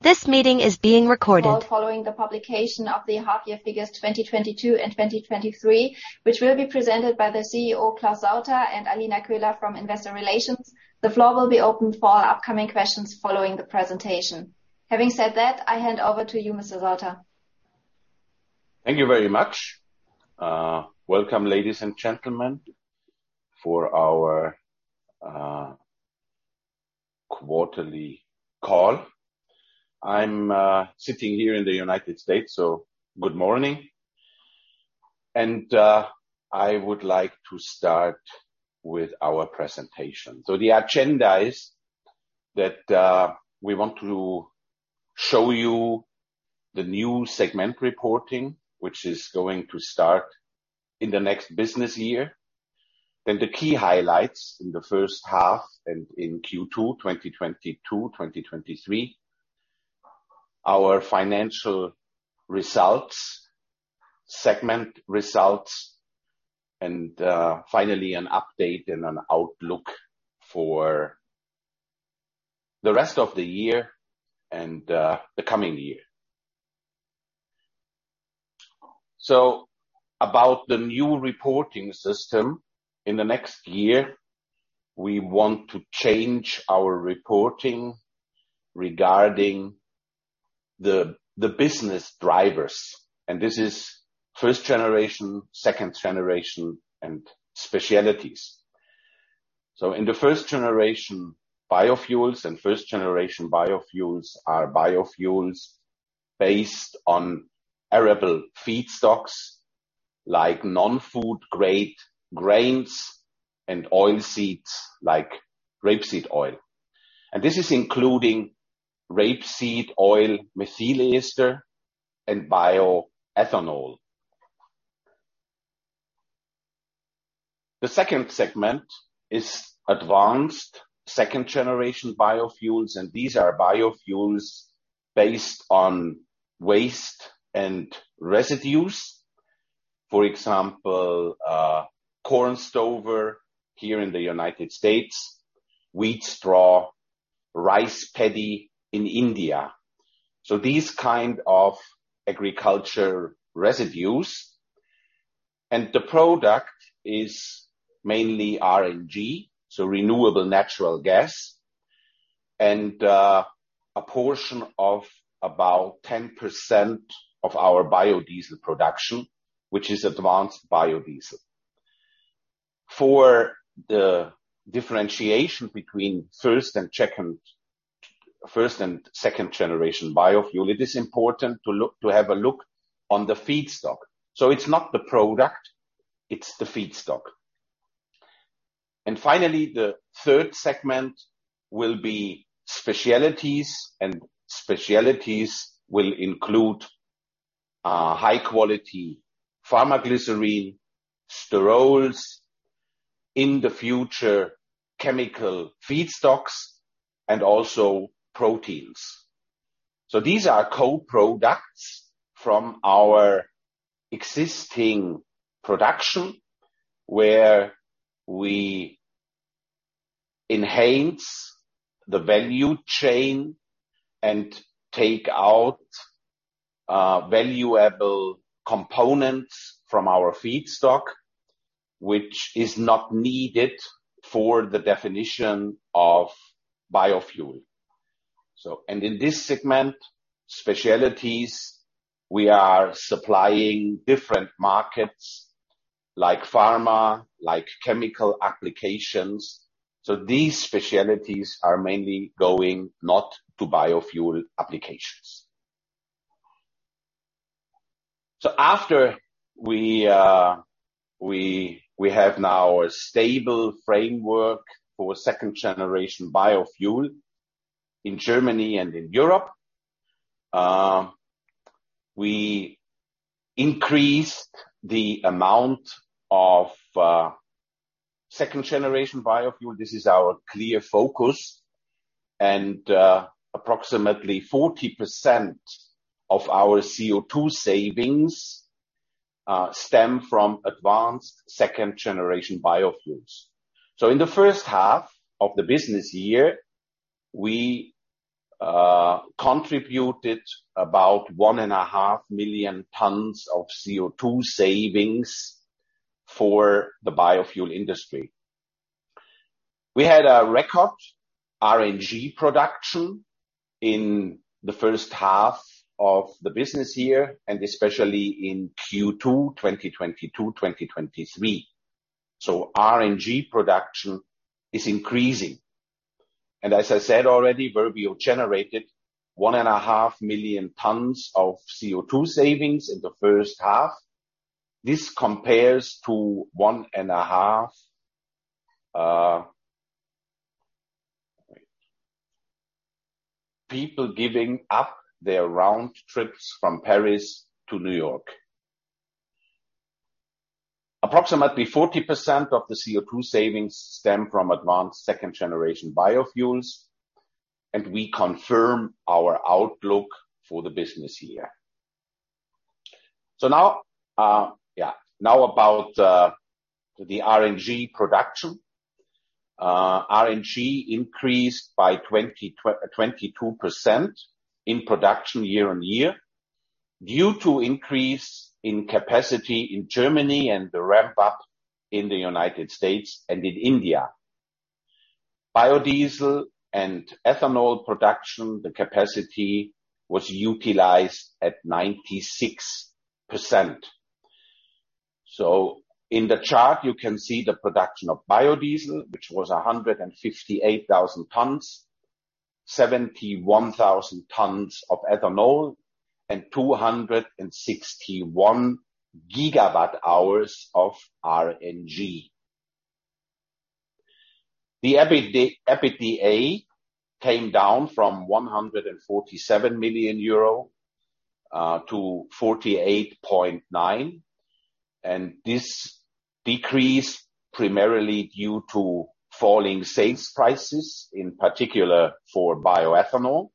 This meeting is being recorded. Call following the publication of the half year figures 2022 and 2023, which will be presented by the CEO Claus Sauter and Alina Köhler from Investor Relations. The floor will be open for upcoming questions following the presentation. Having said that, I hand over to you, Mr. Sauter. Thank you very much. Welcome, ladies and gentlemen, for our quarterly call. I'm sitting here in the United States, so good morning. I would like to start with our presentation. The agenda is that we want to show you the new segment reporting, which is going to start in the next business year. The key highlights in the first half and in Q2 2022-2023. Our financial results, segment results, and finally an update and an outlook for the rest of the year and the coming year. About the new reporting system. In the next year, we want to change our reporting regarding the business drivers, and this is first generation, second generation, and specialties. In the first-generation, biofuels and first-generation biofuels are biofuels based on arable feedstocks, like non-food grade grains and oil seeds, rapeseed oil. This is rapeseed oil methyl ester and bioethanol. The second segment is advanced second-generation biofuels, and these are biofuels based on waste and residues. For example, corn stover here in the United States, wheat straw, rice paddy in India. These kind of agriculture residues. The product is mainly RNG, so renewable natural gas, and a portion of about 10% of our biodiesel production, which is advanced biodiesel. For the differentiation between first and second-generation biofuel, it is important to have a look on the feedstock. It's not the product, it's the feedstock. Finally, the third segment will be specialties, and specialties will include high quality pharma glycerine, sterols, in the future, chemical feedstocks, and also proteins. These are co-products from our existing production, where we enhance the value chain and take out valuable components from our feedstock, which is not needed for the definition of biofuel. In this segment, specialties, we are supplying different markets like pharma, like chemical applications. These specialties are mainly going not to biofuel applications. After we have now a stable framework for second generation biofuel in Germany and in Europe, we increased the amount of second-generation biofuel. This is our clear focus, and approximately 40% of our CO2 savings stem from advanced second-generation biofuels. In the first half of the business year, we contributed about 1.5 million tons of CO2 savings for the biofuel industry. We had a record RNG production in the first half of the business year, and especially in Q2 2022/2023. RNG production is increasing. As I said already, Verbio generated 1.5 million tons of CO2 savings in the first half. People giving up their round trips from Paris to New York. Approximately 40% of the CO2 savings stem from advanced second generation biofuels, and we confirm our outlook for the business year. Now about the RNG production. RNG increased by 22% in production year-over-year due to increase in capacity in Germany and the ramp up in the United States and in India. Biodiesel and ethanol production, the capacity was utilized at 96%. In the chart, you can see the production of biodiesel, which was 158,000 tons, 71,000 tons of ethanol and 261 GWh of RNG. The EBIT-EBITDA came down from 147 million euro to 48.9 million, this decreased primarily due to falling sales prices, in particular for bioethanol.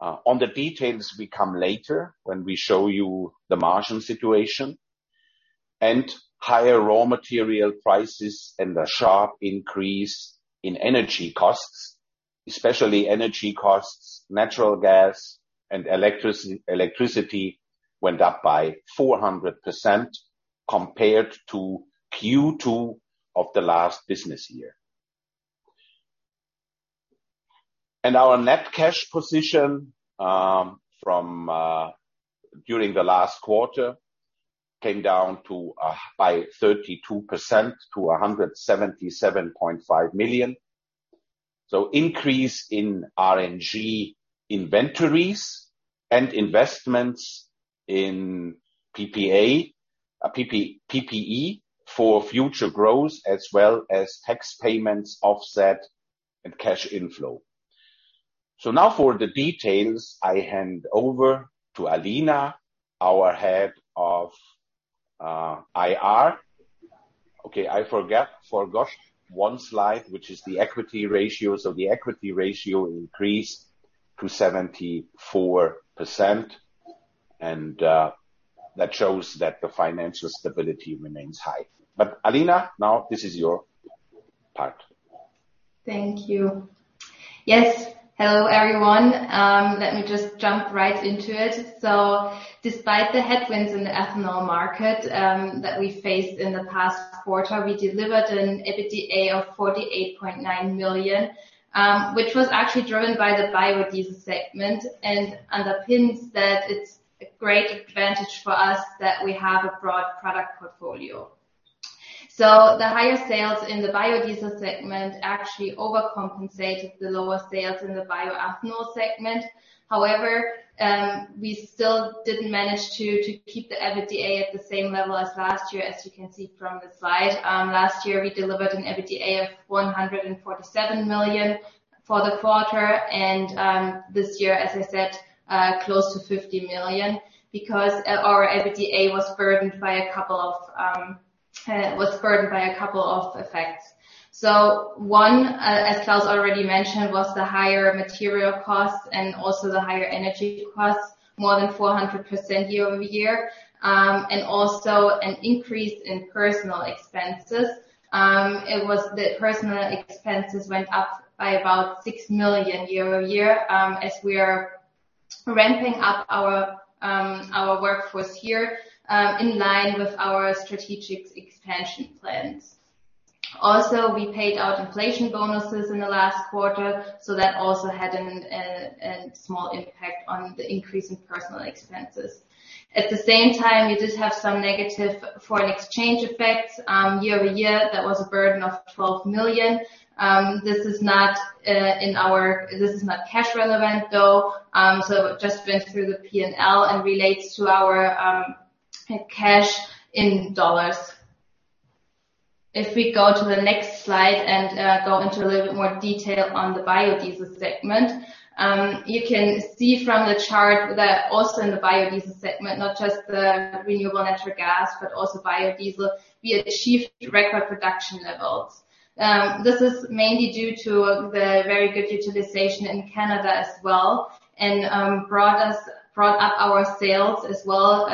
On the details we come later when we show you the margin situation and higher raw material prices and a sharp increase in energy costs, especially energy costs, natural gas and electricity went up by 400% compared to Q2 of the last business year. Our net cash position from during the last quarter came down by 32% to 177.5 million. Increase in RNG inventories and investments in PP&E, PPE for future growth as well as tax payments, offset and cash inflow. Now for the details, I hand over to Alina, our Head of IR. I forgot one slide, which is the equity ratios. The equity ratio increased to 74% and that shows that the financial stability remains high. Alina, now this is your part. Thank you. Yes. Hello, everyone. Let me just jump right into it. Despite the headwinds in the ethanol market that we faced in the past quarter, we delivered an EBITDA of 48.9 million, which was actually driven by the biodiesel segment and underpins that it's a great advantage for us that we have a broad product portfolio. The higher sales in the biodiesel segment actually overcompensated the lower sales in the bioethanol segment. However, we still didn't manage to keep the EBITDA at the same level as last year as you can see from the slide. Last year, we delivered an EBITDA of 147 million for the quarter and this year, as I said, close to 50 million because our EBITDA was burdened by a couple of effects. One, as Claus already mentioned, was the higher material costs and also the higher energy costs, more than 400% year-over-year, and also an increase in personal expenses. The personal expenses went up by about 6 million year-over-year, as we are ramping up our workforce here, in line with our strategic expansion plans. Also, we paid out inflation bonuses in the last quarter, so that also had a small impact on the increase in personal expenses. At the same time, we did have some negative foreign exchange effects, year-over-year that was a burden of 12 million. This is not cash relevant, though, so it just went through the P&L and relates to our cash in U.S. dollars. If we go to the next slide and go into a little bit more detail on the biodiesel segment, you can see from the chart that also in the biodiesel segment, not just the renewable natural gas, but also biodiesel, we achieved record production levels. This is mainly due to the very good utilization in Canada as well and brought up our sales as well,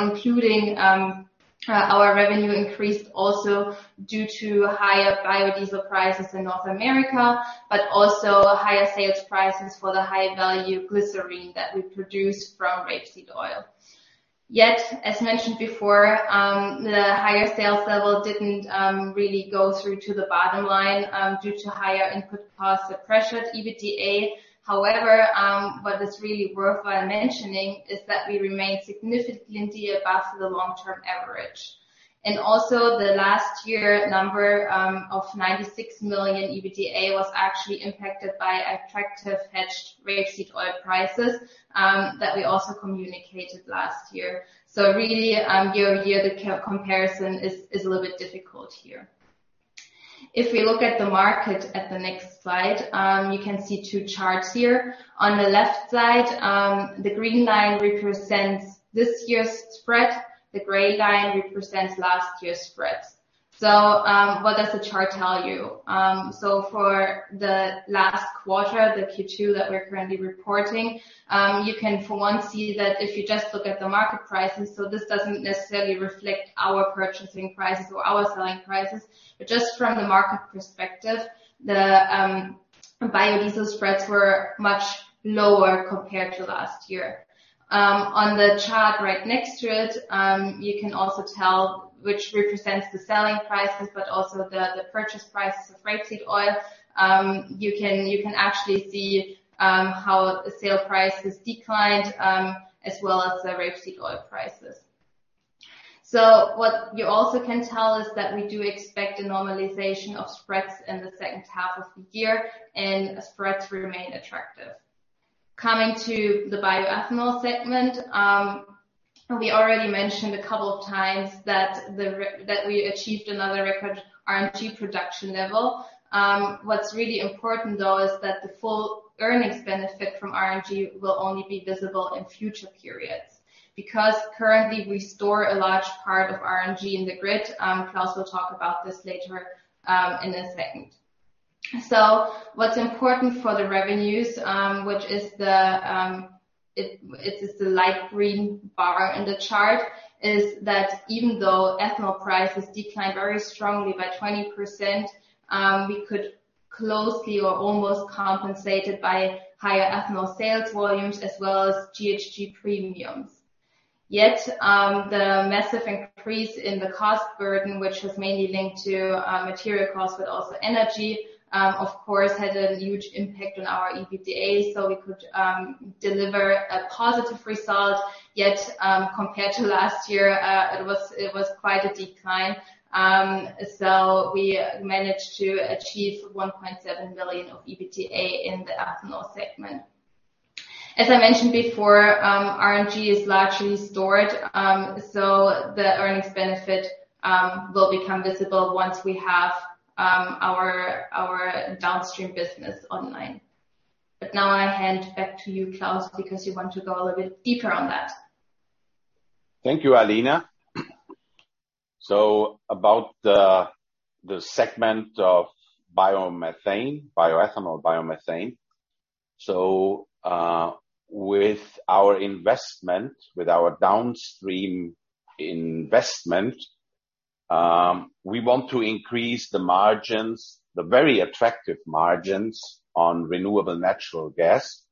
including, our revenue increased also due to higher biodiesel prices in North America, but also higher sales prices for the high value glycerine that we produce rapeseed oil. as mentioned before, the higher sales level didn't really go through to the bottom line due to higher input costs that pressured EBITDA. What is really worthwhile mentioning is that we remain significantly above the long-term average. Also the last year number of 96 million EBITDA was actually impacted by attractive rapeseed oil prices that we also communicated last year. Really, year-over-year, the co-comparison is a little bit difficult here. If we look at the market at the next slide, you can see two charts here. On the left side, the green line represents this year's spread, the gray line represents last year's spread. What does the chart tell you? For the last quarter, the Q2 that we're currently reporting, you can for one see that if you just look at the market prices, so this doesn't necessarily reflect our purchasing prices or our selling prices. Just from the market perspective, the biodiesel spreads were much lower compared to last year. On the chart right next to it, you can also tell which represents the selling prices but also the purchase prices rapeseed oil. you can actually see how the sale prices declined, as well as rapeseed oil prices. What you also can tell is that we do expect a normalization of spreads in the second half of the year and spreads remain attractive. Coming to the bioethanol segment, we already mentioned a couple of times that we achieved another record RNG production level. What's really important though is that the full earnings benefit from RNG will only be visible in future periods because currently we store a large part of RNG in the grid. Claus will talk about this later, in a second. What's important for the revenues, which is the, it is the light green bar in the chart, is that even though ethanol prices declined very strongly by 20%, we could closely or almost compensate it by higher ethanol sales volumes as well as GHG premiums. Yet, the massive increase in the cost burden, which was mainly linked to material costs but also energy, of course, had a huge impact on our EBITDA, so we could deliver a positive result. Yet, compared to last year, it was quite a decline. We managed to achieve 1.7 billion of EBITDA in the ethanol segment. As I mentioned before, RNG is largely stored, so the earnings benefit will become visible once we have our downstream business online. Now I hand back to you, Claus, because you want to go a little bit deeper on that. Thank you, Alina. About the segment of biomethane, bioethanol biomethane. With our downstream investment, we want to increase the margins, the very attractive margins on renewable natural gas.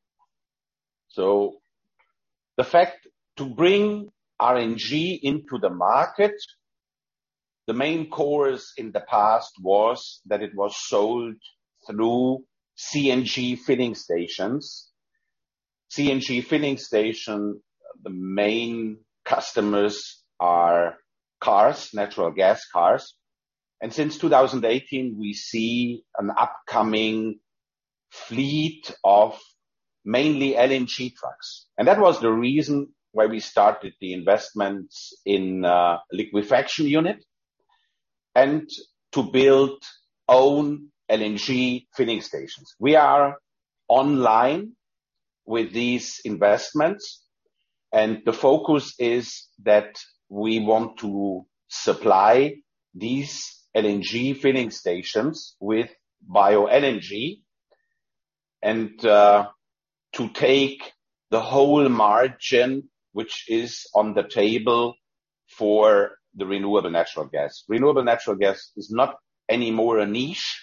The fact to bring RNG into the market, the main course in the past was that it was sold through CNG filling stations. CNG filling station, the main customers are cars, natural gas cars, since 2018, we see an upcoming fleet of mainly LNG trucks. That was the reason why we started the investments in a liquefaction unit and to build own LNG filling stations. We are online with these investments, the focus is that we want to supply these LNG filling stations with Bio-LNG and to take the whole margin, which is on the table for the renewable natural gas. Renewable natural gas is not anymore a niche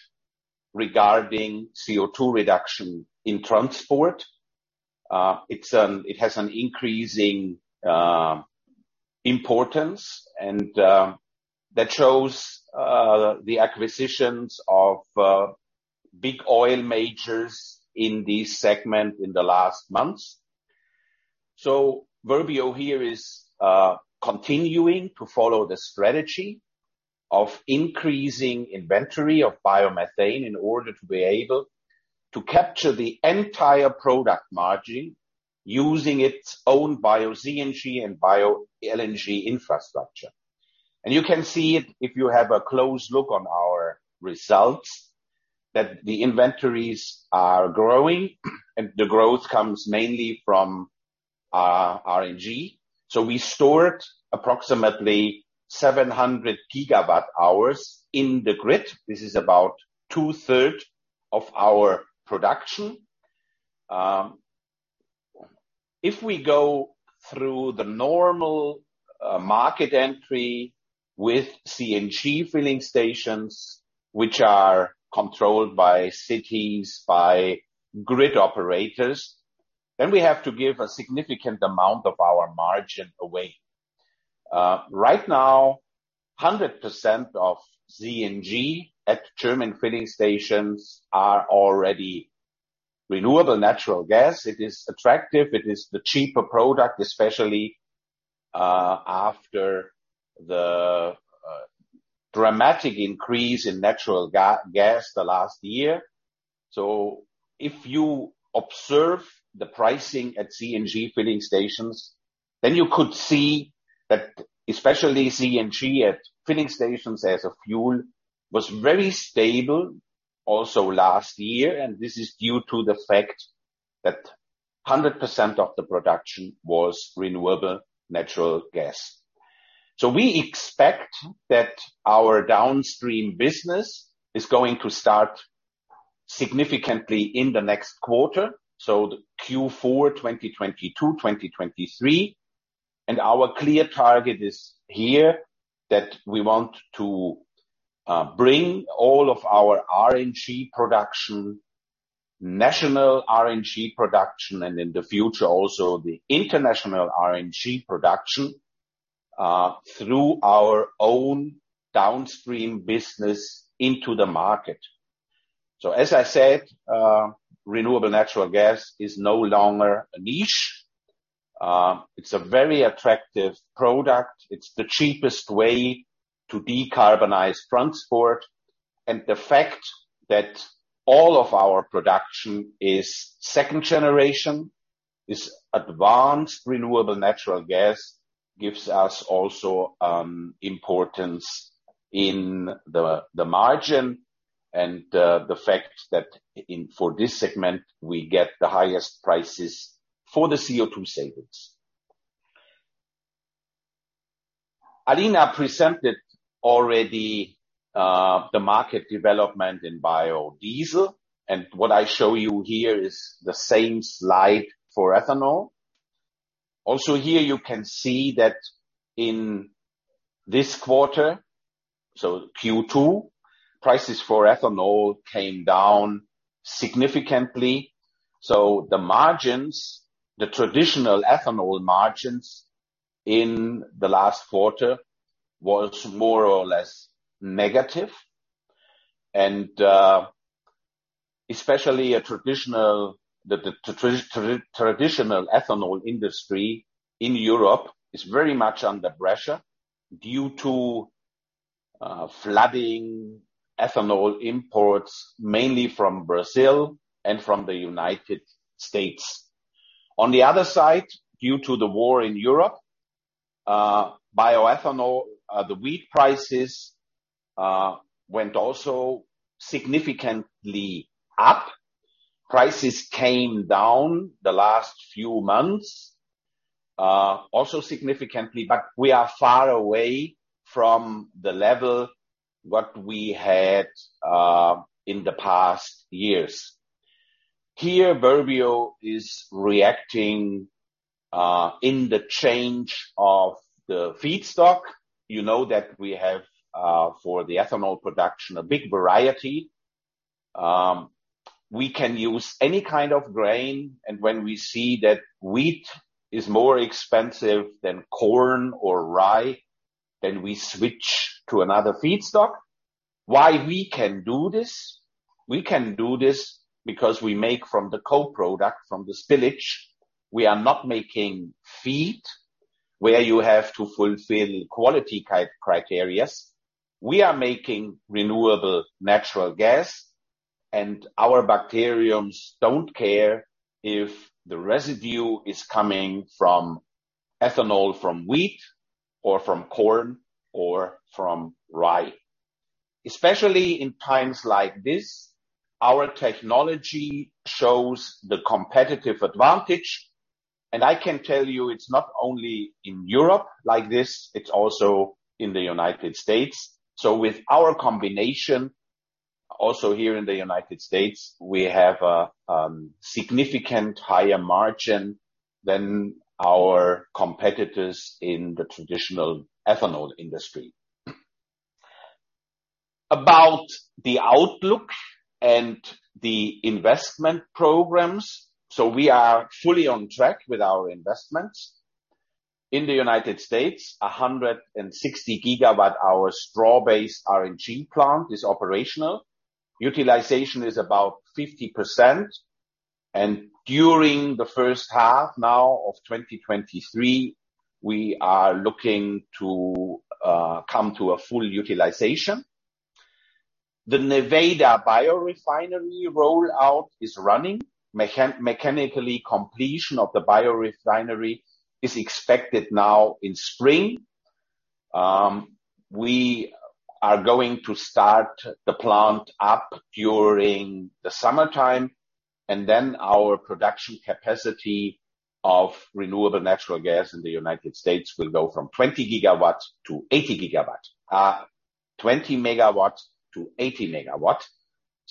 regarding CO2 reduction in transport. It has an increasing importance and that shows the acquisitions of big oil majors in this segment in the last months. Verbio here is continuing to follow the strategy of increasing inventory of biomethane in order to be able to capture the entire product margin using its own Bio-CNG and Bio-LNG infrastructure. You can see it if you have a close look on our results, that the inventories are growing and the growth comes mainly from RNG. We stored approximately 700 GWh in the grid. This is about 2/3 of our production. If we go through the normal market entry with CNG filling stations, which are controlled by cities, by grid operators, then we have to give a significant amount of our margin away. Right now, 100% of CNG at German filling stations are already renewable natural gas. It is attractive. It is the cheaper product, especially after the dramatic increase in natural gas the last year. If you observe the pricing at CNG filling stations, then you could see that especially CNG at filling stations as a fuel was very stable also last year. This is due to the fact that 100% of the production was renewable natural gas. We expect that our downstream business is going to start significantly in the next quarter, so Q4, 2022, 2023. Our clear target is here that we want to bring all of our RNG production, national RNG production, and in the future also the international RNG production through our own downstream business into the market. As I said, renewable natural gas is no longer a niche. It's a very attractive product. It's the cheapest way to decarbonize transport. The fact that all of our production is second generation, is advanced renewable natural gas, gives us also importance in the margin and the fact that for this segment, we get the highest prices for the CO₂ savings. Alina presented already the market development in biodiesel, and what I show you here is the same slide for ethanol. Here you can see that in this quarter, so Q2, prices for ethanol came down significantly. The margins, the traditional ethanol margins in the last quarter was more or less negative. Especially the traditional ethanol industry in Europe is very much under pressure due to flooding ethanol imports, mainly from Brazil and from the United States. On the other side, due to the war in Europe, bioethanol, the wheat prices went also significantly up. Prices came down the last few months also significantly, we are far away from the level what we had in the past years. Here, Verbio is reacting in the change of the feedstock. You know that we have for the ethanol production a big variety. We can use any kind of grain, when we see that wheat is more expensive than corn or rye, we switch to another feedstock. Why we can do this? We can do this because we make from the co-product, from the silage. We are not making feed where you have to fulfill quality criteria. We are making renewable natural gas. Our bacteriums don't care if the residue is coming from ethanol from wheat or from corn or from rye. Especially in times like this, our technology shows the competitive advantage. I can tell you it's not only in Europe like this, it's also in the United States. With our combination, also here in the United States, we have a significant higher margin than our competitors in the traditional ethanol industry. About the outlook and the investment programs. We are fully on track with our investments. In the United States, a 160 GWh straw-based RNG plant is operational. Utilization is about 50%. During the first half now of 2023, we are looking to come to a full utilization. The Nevada biorefinery rollout is running. Mechanically, completion of the biorefinery is expected now in spring. We are going to start the plant up during the summertime, and then our production capacity of renewable natural gas in the United States will go from 20 GW - 80 GW, 20 MW -80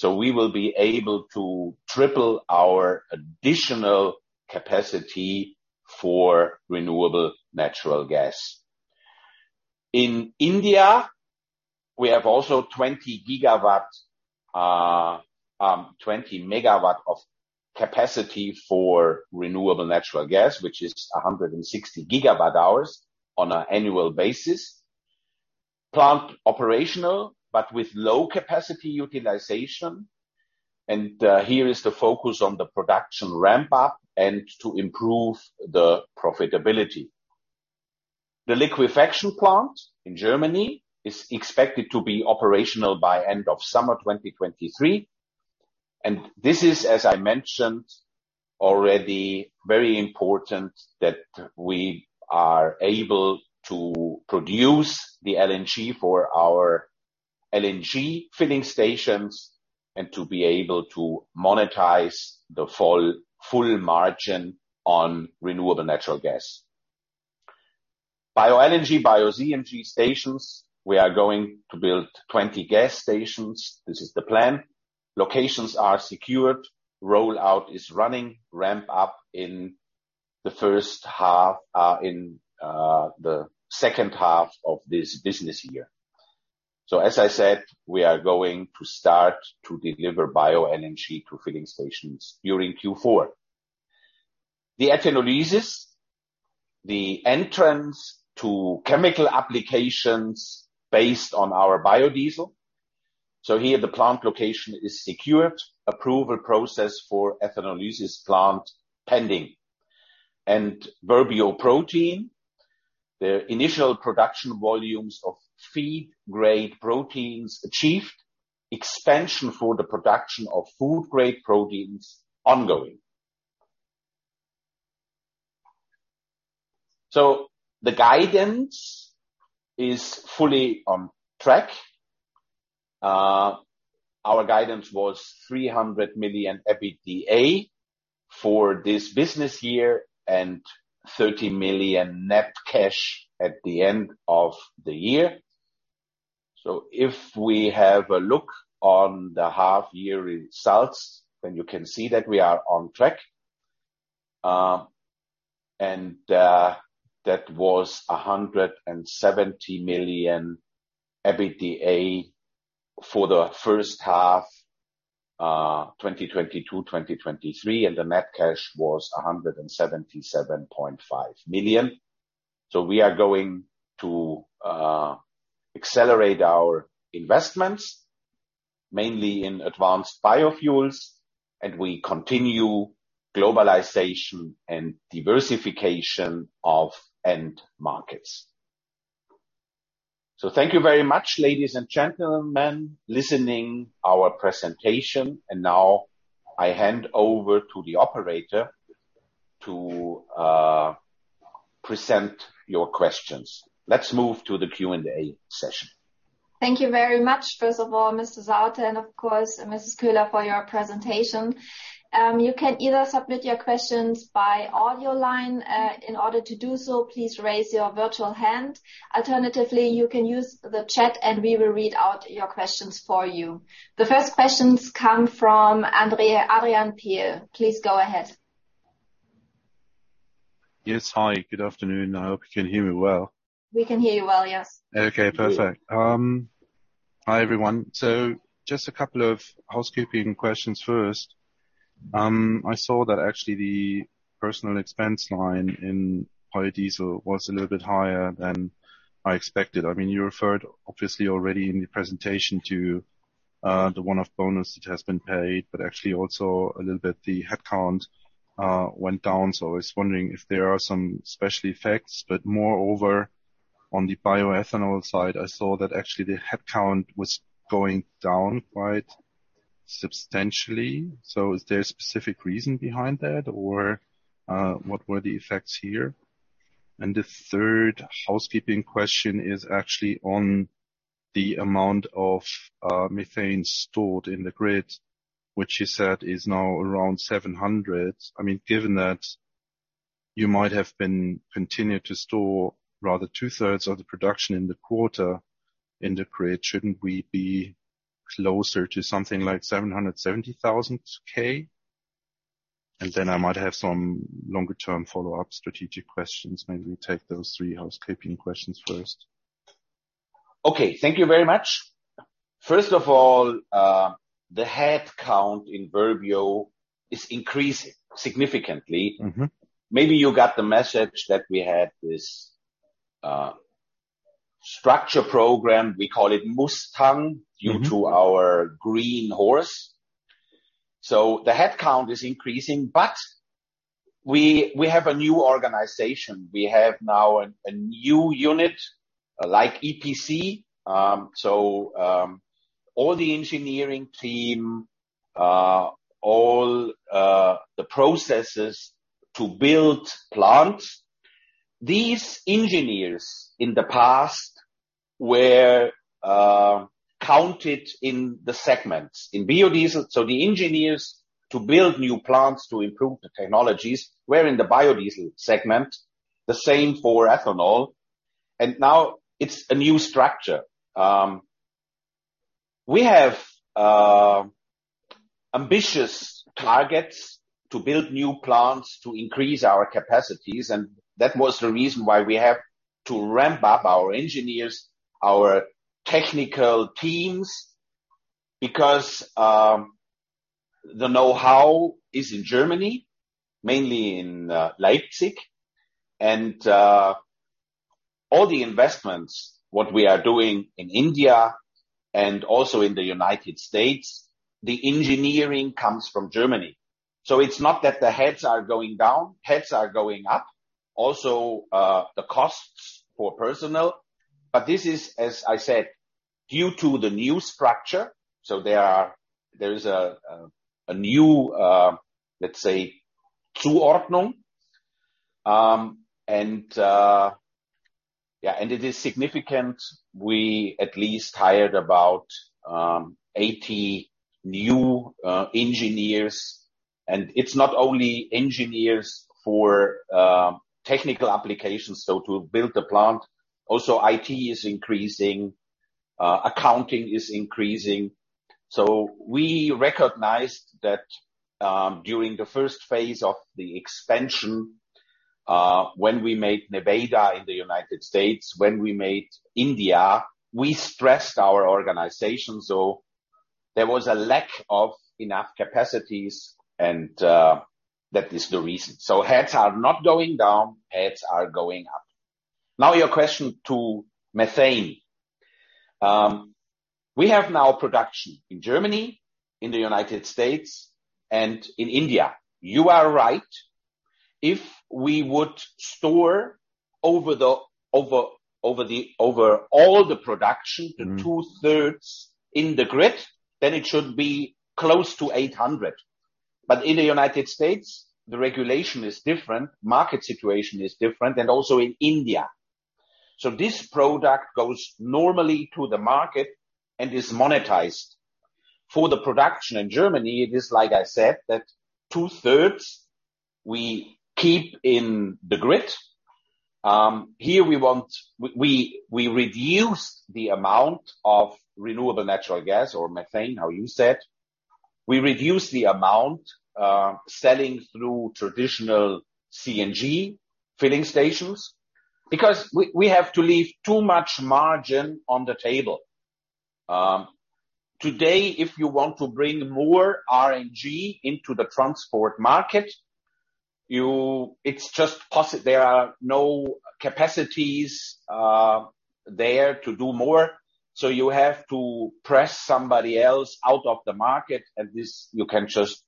MW. We will be able to triple our additional capacity for renewable natural gas. In India, we have also 20 GW, 20 MW of capacity for renewable natural gas, which is 160 GWh on an annual basis. Plant operational, with low capacity utilization. Here is the focus on the production ramp up and to improve the profitability. The liquefaction plant in Germany is expected to be operational by end of summer 2023. This is, as I mentioned already, very important that we are able to produce the LNG for our LNG filling stations and to be able to monetize the full margin on renewable natural gas. Bioenergy, Bio-CNG stations, we are going to build 20 gas stations. This is the plan. Locations are secured. Roll-out is running. Ramp up in the first half, in the second half of this business year. As I said, we are going to start to deliver Bio-LNG to filling stations during Q4. The ethanolysis, the entrance to chemical applications based on our biodiesel. Here the plant location is secured. Approval process for ethanolysis plant pending. Verbio protein, the initial production volumes of feed-grade proteins achieved. Expansion for the production of food-grade proteins ongoing. The guidance is fully on track. Our guidance was 300 million EBITDA for this business year and 30 million net cash at the end of the year. If we have a look on the half year results, you can see that we are on track. That was 170 million EBITDA for the first half 2022/2023, and the net cash was 177.5 million. We are going to accelerate our investments mainly in advanced biofuels, and we continue globalization and diversification of end markets. Thank you very much, ladies and gentlemen, listening our presentation. Now I hand over to the operator to present your questions. Let's move to the Q&A session. Thank you very much, first of all, Mr. Sauter and of course, Ms. Köhler, for your presentation. You can either submit your questions by audio line. In order to do so, please raise your virtual hand. Alternatively, you can use the chat. We will read out your questions for you. The first questions come from Adrien Piere. Please go ahead. Yes. Hi, good afternoon. I hope you can hear me well. We can hear you well, yes. Okay, perfect. Hi, everyone. Just a couple of housekeeping questions first. I saw that actually the personal expense line in biodiesel was a little bit higher than I expected. I mean, you referred obviously already in your presentation to the one-off bonus which has been paid, but actually also a little bit the headcount went down. I was wondering if there are some special effects. Moreover, on the bioethanol side, I saw that actually the headcount was going down quite substantially. Is there a specific reason behind that or what were the effects here? The third housekeeping question is actually on the amount of methane stored in the grid, which you said is now around 700. I mean, given that you might have been continued to store rather 2/3 of the production in the quarter in the grid, shouldn't we be closer to something like 770,000? I might have some longer-term follow-up strategic questions. Maybe take those three housekeeping questions first. Okay, thank you very much. First of all, the headcount in Verbio is increasing significantly. Mm-hmm. Maybe you got the message that we had this, structure program, we call it Mustang. Mm-hmm. Due to our green horse. The headcount is increasing, but we have a new organization. We have now a new unit like EPC. All the engineering team, all the processes to build plants. These engineers in the past were counted in the segments. The engineers to build new plants to improve the technologies were in the biodiesel segment, the same for ethanol, and now it's a new structure. We have ambitious targets to build new plants to increase our capacities, and that was the reason why we have to ramp up our engineers, our technical teams, because the know-how is in Germany, mainly in Leipzig. All the investments, what we are doing in India and also in the United States, the engineering comes from Germany. It's not that the heads are going down, heads are going up. Also, the costs for personnel. This is, as I said, due to the new structure. There is a new, let's say, Zuordnung, and it is significant. We at least hired about 80 new engineers. It's not only engineers for technical applications, so to build the plant. Also IT is increasing, accounting is increasing. We recognized that, during the first phase of the expansion, when we made Nevada in the United States, when we made India, we stressed our organization, so there was a lack of enough capacities, and that is the reason. Heads are not going down, heads are going up. Now your question to methane. We have now production in Germany, in the United States, and in India. You are right. If we would store over all the production, the 2/3 in the grid, it should be close to 800. In the United States, the regulation is different, market situation is different, and also in India. This product goes normally to the market and is monetized. For the production in Germany, it is like I said, that two-thirds we keep in the grid. We reduce the amount of renewable natural gas or methane, how you said. We reduce the amount, selling through traditional CNG filling stations because we have to leave too much margin on the table. Today, if you want to bring more RNG into the transport market, it's just there are no capacities there to do more, you have to press somebody else out of the market, and this you can just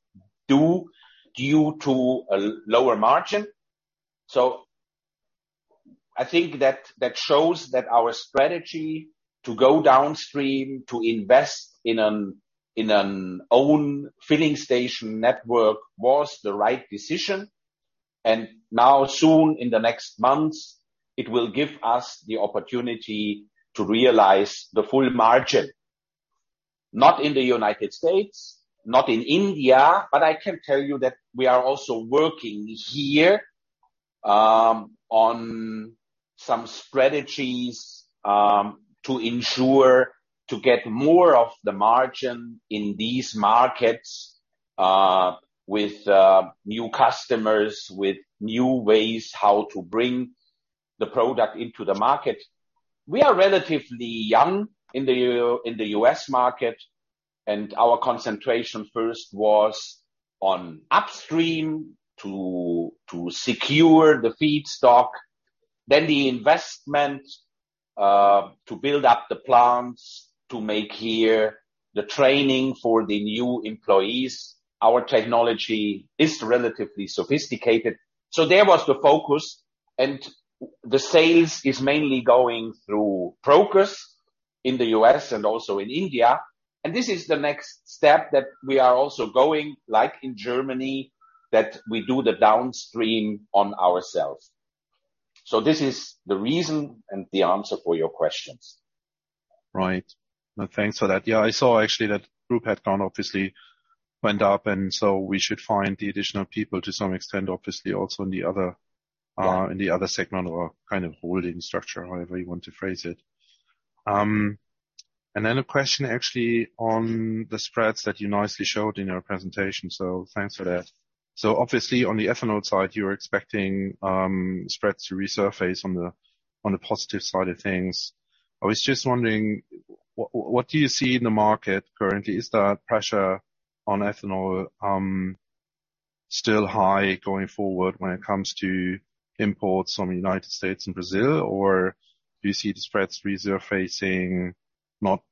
do due to a lower margin. I think that shows that our strategy to go downstream, to invest in an own filling station network was the right decision. Now soon in the next months, it will give us the opportunity to realize the full margin. Not in the United States, not in India, but I can tell you that we are also working here on some strategies to ensure to get more of the margin in these markets with new customers, with new ways how to bring the product into the market. We are relatively young in the U.S. market. Our concentration first was on upstream to secure the feedstock, then the investment to build up the plants, to make here the training for the new employees. Our technology is relatively sophisticated. There was the focus, the sales is mainly going through progress in the U.S. and also in India. This is the next step that we are also going, like in Germany, that we do the downstream on ourselves. This is the reason and the answer for your questions. Right. No, thanks for that. Yeah, I saw actually that group headcount obviously went up, and so we should find the additional people to some extent, obviously also in the other in the other segment or kind of holding structure, however you want to phrase it. A question actually on the spreads that you nicely showed in your presentation, thanks for that. Obviously on the ethanol side, you're expecting spreads to resurface on the, on the positive side of things. I was just wondering, what do you see in the market currently? Is that pressure on ethanol still high going forward when it comes to imports from the United States and Brazil? Do you see the spreads resurfacing, not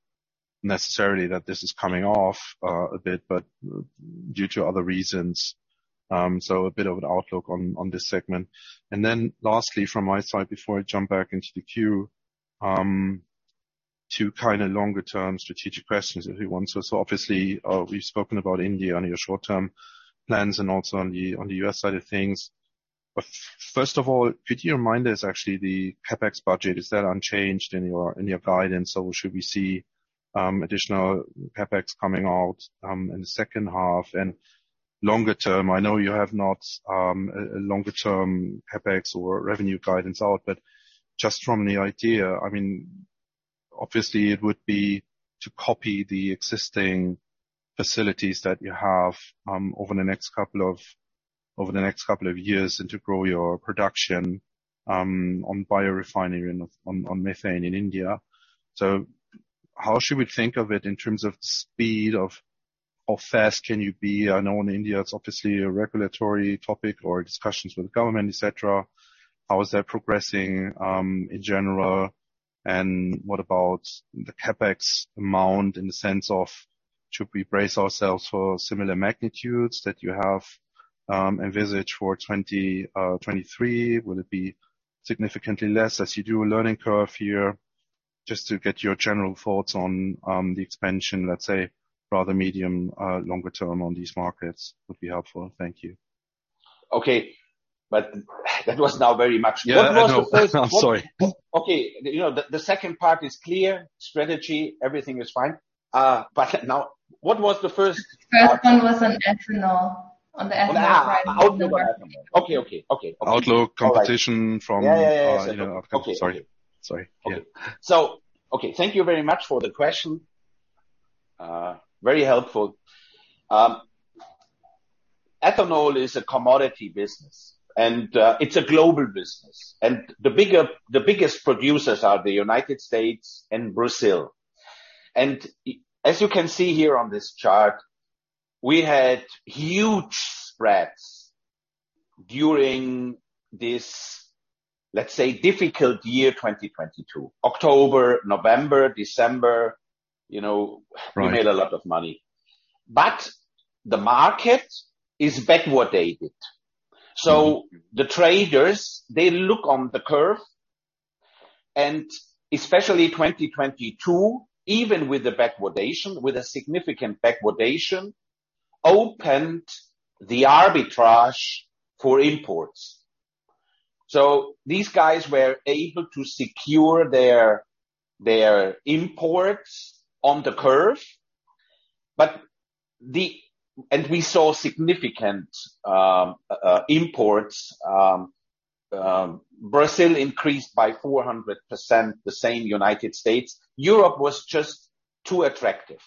necessarily that this is coming off, a bit, but due to other reasons, a bit of an outlook on this segment? Lastly, from my side, before I jump back into the queue, two kind of longer-term strategic questions if you want. Obviously, we've spoken about India on your short-term plans and also on the US side of things. First of all, could you remind us actually the CapEx budget, is that unchanged in your guidance? Should we see additional CapEx coming out in the second half? Longer-term, I know you have not a longer-term CapEx or revenue guidance out, but just from the idea, I mean, obviously it would be to copy the existing facilities that you have over the next couple of years, and to grow your production on biorefinery and on methane in India. How should we think of it in terms of the speed of how fast can you be? I know in India, it's obviously a regulatory topic or discussions with the government, et cetera. How is that progressing in general? What about the CapEx amount in the sense of should we brace ourselves for similar magnitudes that you have envisaged for 2023? Will it be significantly less as you do a learning curve here? Just to get your general thoughts on, the expansion, let's say, rather medium, longer term on these markets would be helpful. Thank you. Okay. That was now very much- Yeah, I know. I'm sorry. Okay. You know, the second part is clear, strategy, everything is fine. Now what was the first-? First one was on ethanol. On the ethanol price- outlook. Okay. Outlook, competition from, you know. Yes. Sorry. Yeah. Okay. Thank you very much for the question. Very helpful. Ethanol is a commodity business, and it's a global business. The biggest producers are the United States and Brazil. As you can see here on this chart, we had huge spreads during this, let's say, difficult year, 2022. October, November, December, you know... Right. We made a lot of money. The market is backwardated. Mm-hmm. The traders, they look on the curve, especially 2022, even with the backwardation, with a significant backwardation, opened the arbitrage for imports. These guys were able to secure their imports on the curve. We saw significant imports. Brazil increased by 400%, the same United States. Europe was just too attractive.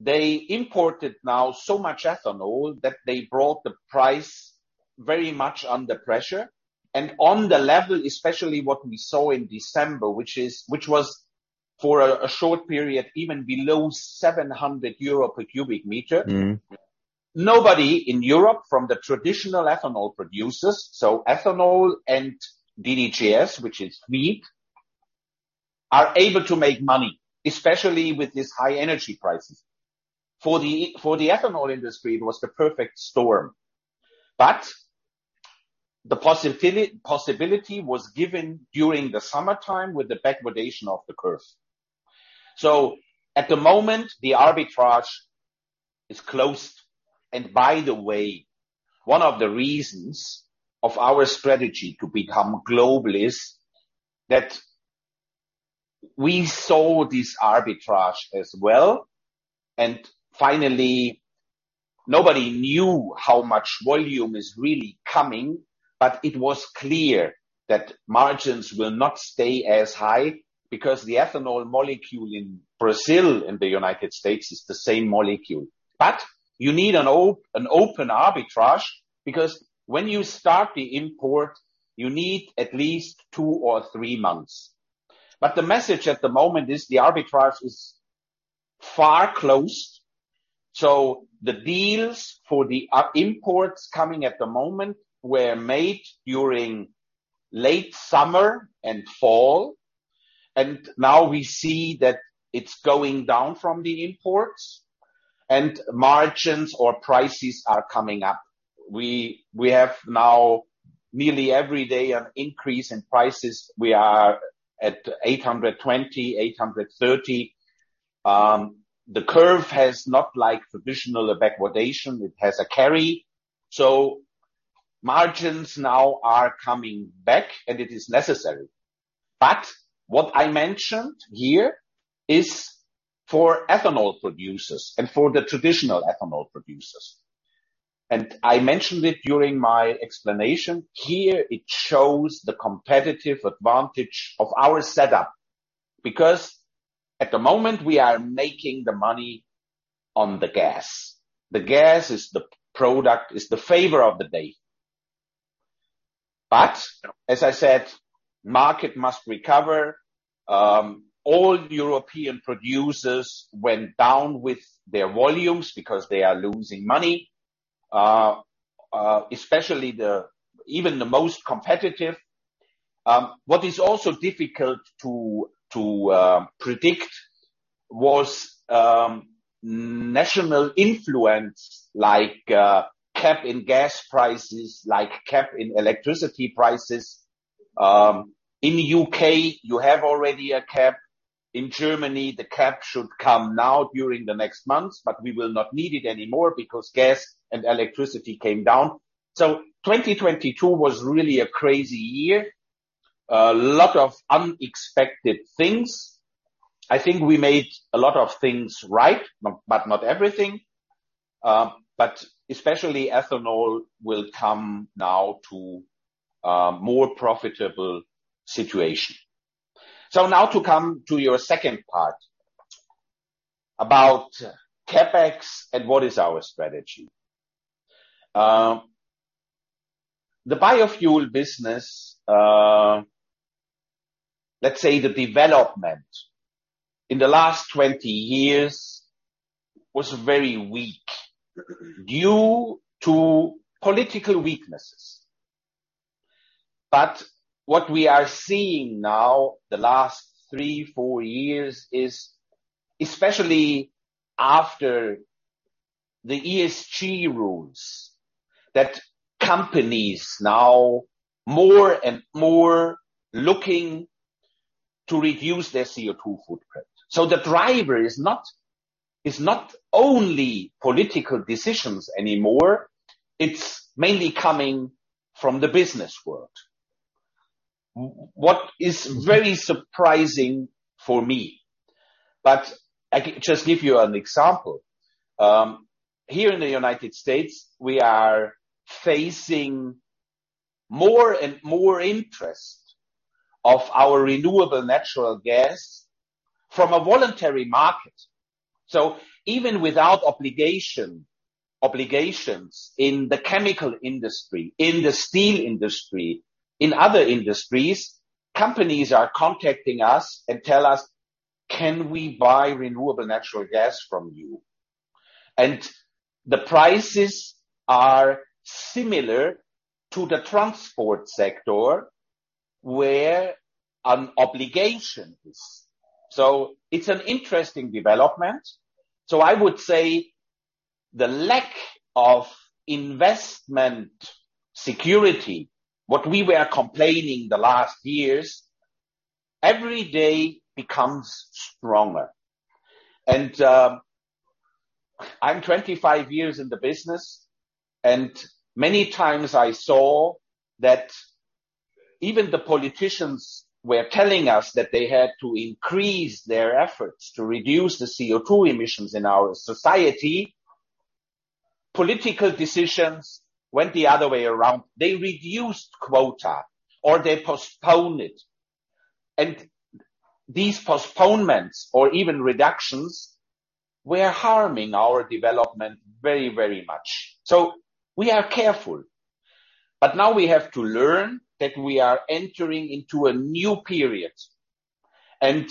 They imported now so much ethanol that they brought the price very much under pressure. On the level, especially what we saw in December, which was for a short period, even below 700 euro/cu m. Mm-hmm. Nobody in Europe from the traditional ethanol producers, so ethanol and DDGS, which is feed, are able to make money, especially with these high energy prices. For the ethanol industry, it was the perfect storm. The possibility was given during the summertime with the backwardation of the curve. At the moment, the arbitrage is closed. By the way, one of the reasons of our strategy to become global is that we saw this arbitrage as well. Finally, nobody knew how much volume is really coming, but it was clear that margins will not stay as high because the ethanol molecule in Brazil and the United States is the same molecule. You need an open arbitrage because when you start the import, you need at least two or three months. The message at the moment is the arbitrage is far closed. The deals for the imports coming at the moment were made during late summer and fall. Now we see that it's going down from the imports and margins or prices are coming up. We have now nearly every day an increase in prices. We are at 820, 830. The curve has not like traditional backwardation. It has a carry. Margins now are coming back, and it is necessary. What I mentioned here is for ethanol producers and for the traditional ethanol producers, and I mentioned it during my explanation. Here it shows the competitive advantage of our setup because at the moment we are making the money on the gas. The gas is the product, is the favor of the day. As I said, market must recover. All European producers went down with their volumes because they are losing money, especially even the most competitive. What is also difficult to predict was national influence like cap in gas prices, like cap in electricity prices. In U.K., you have already a cap. In Germany, the cap should come now during the next months, but we will not need it anymore because gas and electricity came down. 2022 was really a crazy year. A lot of unexpected things. I think we made a lot of things right, but not everything. Especially ethanol will come now to a more profitable situation. Now to come to your second part about CapEx and what is our strategy. The biofuel business, let's say the development in the last 20 years was very weak due to political weaknesses. What we are seeing now, the last three-four years is, especially after the ESG rules that companies now more and more looking to reduce their CO2 footprint. The driver is not only political decisions anymore, it's mainly coming from the business world. What is very surprising for me, but I can just give you an example. Here in the United States, we are facing more and more interest of our renewable natural gas from a voluntary market. Even without obligations in the chemical industry, in the steel industry, in other industries, companies are contacting us and tell us, "Can we buy renewable natural gas from you?" The prices are similar to the transport sector, where an obligation is. It's an interesting development. I would say the lack of investment security, what we were complaining the last years, every day becomes stronger. I'm 25 years in the business, and many times I saw that even the politicians were telling us that they had to increase their efforts to reduce the CO2 emissions in our society. Political decisions went the other way around. They reduced quota or they postponed it. These postponements or even reductions were harming our development very, very much. We are careful. Now we have to learn that we are entering into a new period. The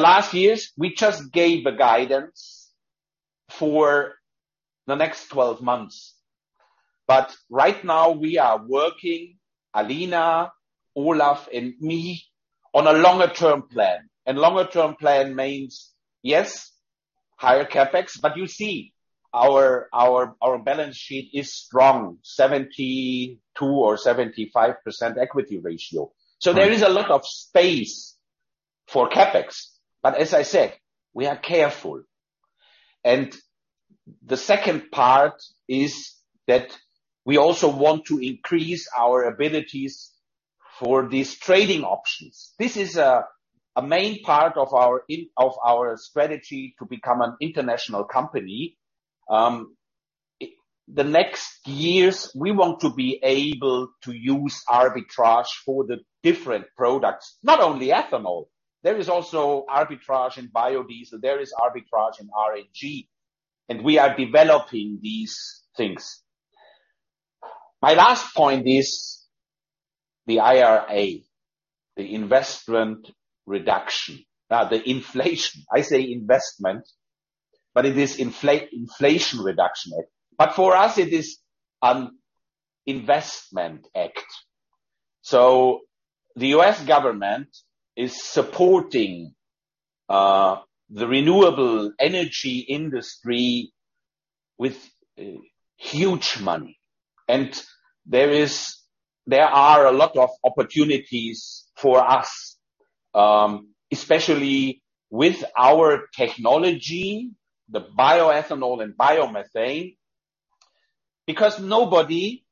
last years, we just gave a guidance for the next 12 months. Right now we are working, Alina, Olaf and me on a longer term plan. Longer term plan means, yes, higher CapEx, but you see our balance sheet is strong, 72% or 75% equity ratio. There is a lot of space for CapEx. As I said, we are careful. The second part is that we also want to increase our abilities for these trading options. This is a main part of our strategy to become an international company. The next years, we want to be able to use arbitrage for the different products, not only ethanol. There is also arbitrage in biodiesel, there is arbitrage in RNG, and we are developing these things. My last point is the IRA, the investment reduction. The inflation. I say investment, but it is Inflation Reduction Act. For us it is an investment act. The U.S. government is supporting the renewable energy industry with huge money. There are a lot of opportunities for us, especially with our technology, the bioethanol and biomethane, because nobody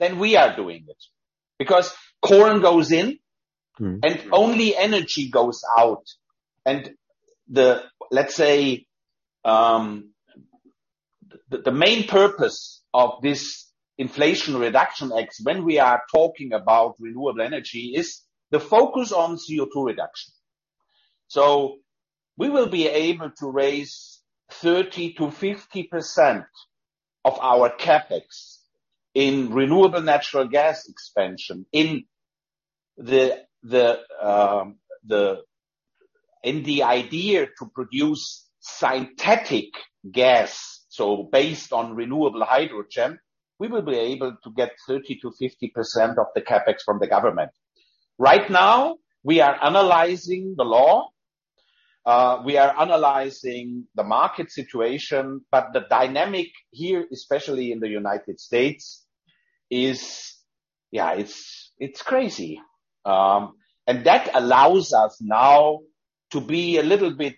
is reducing CO2 emissions per ton of corn more than we are doing it. Corn goes in- Mm-hmm. Only energy goes out. The, let's say, the main purpose of this Inflation Reduction Act when we are talking about renewable energy is the focus on CO2 reduction. We will be able to raise 30% to 50% of our CapEx in renewable natural gas expansion in the idea to produce synthetic gas. Based on renewable hydrogen, we will be able to get 30% to 50% of the CapEx from the government. Right now, we are analyzing the law. We are analyzing the market situation, but the dynamic here, especially in the United States, is, it's crazy. That allows us now to be a little bit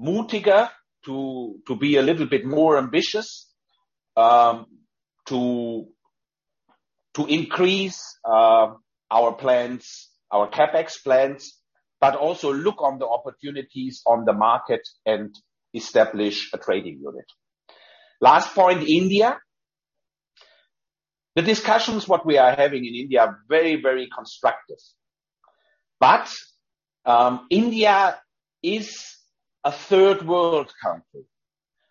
mutiger, to be a little bit more ambitious, to increase our plans, our CapEx plans, but also look on the opportunities on the market and establish a trading unit. Last point, India. The discussions what we are having in India are very, very constructive. India is a third world country,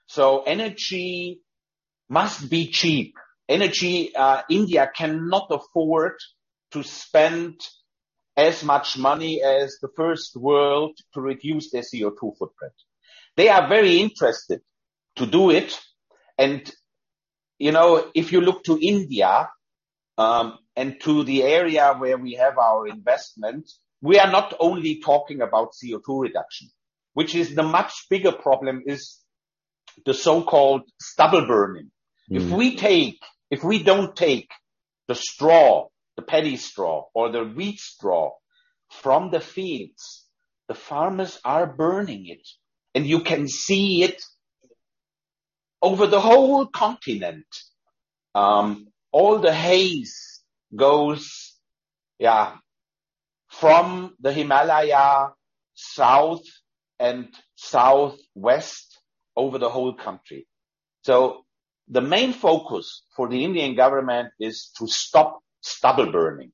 so energy must be cheap. Energy, India cannot afford to spend as much money as the first world to reduce their CO₂ footprint. They are very interested to do it. You know, if you look to India, and to the area where we have our investment, we are not only talking about CO₂ reduction, which is the much bigger problem is the so-called stubble burning. Mm-hmm. If we don't take the straw, the paddy straw or the wheat straw from the fields, the farmers are burning it, and you can see it over the whole continent. All the haze goes, from the Himalaya south and southwest over the whole country. The main focus for the Indian government is to stop stubble burning.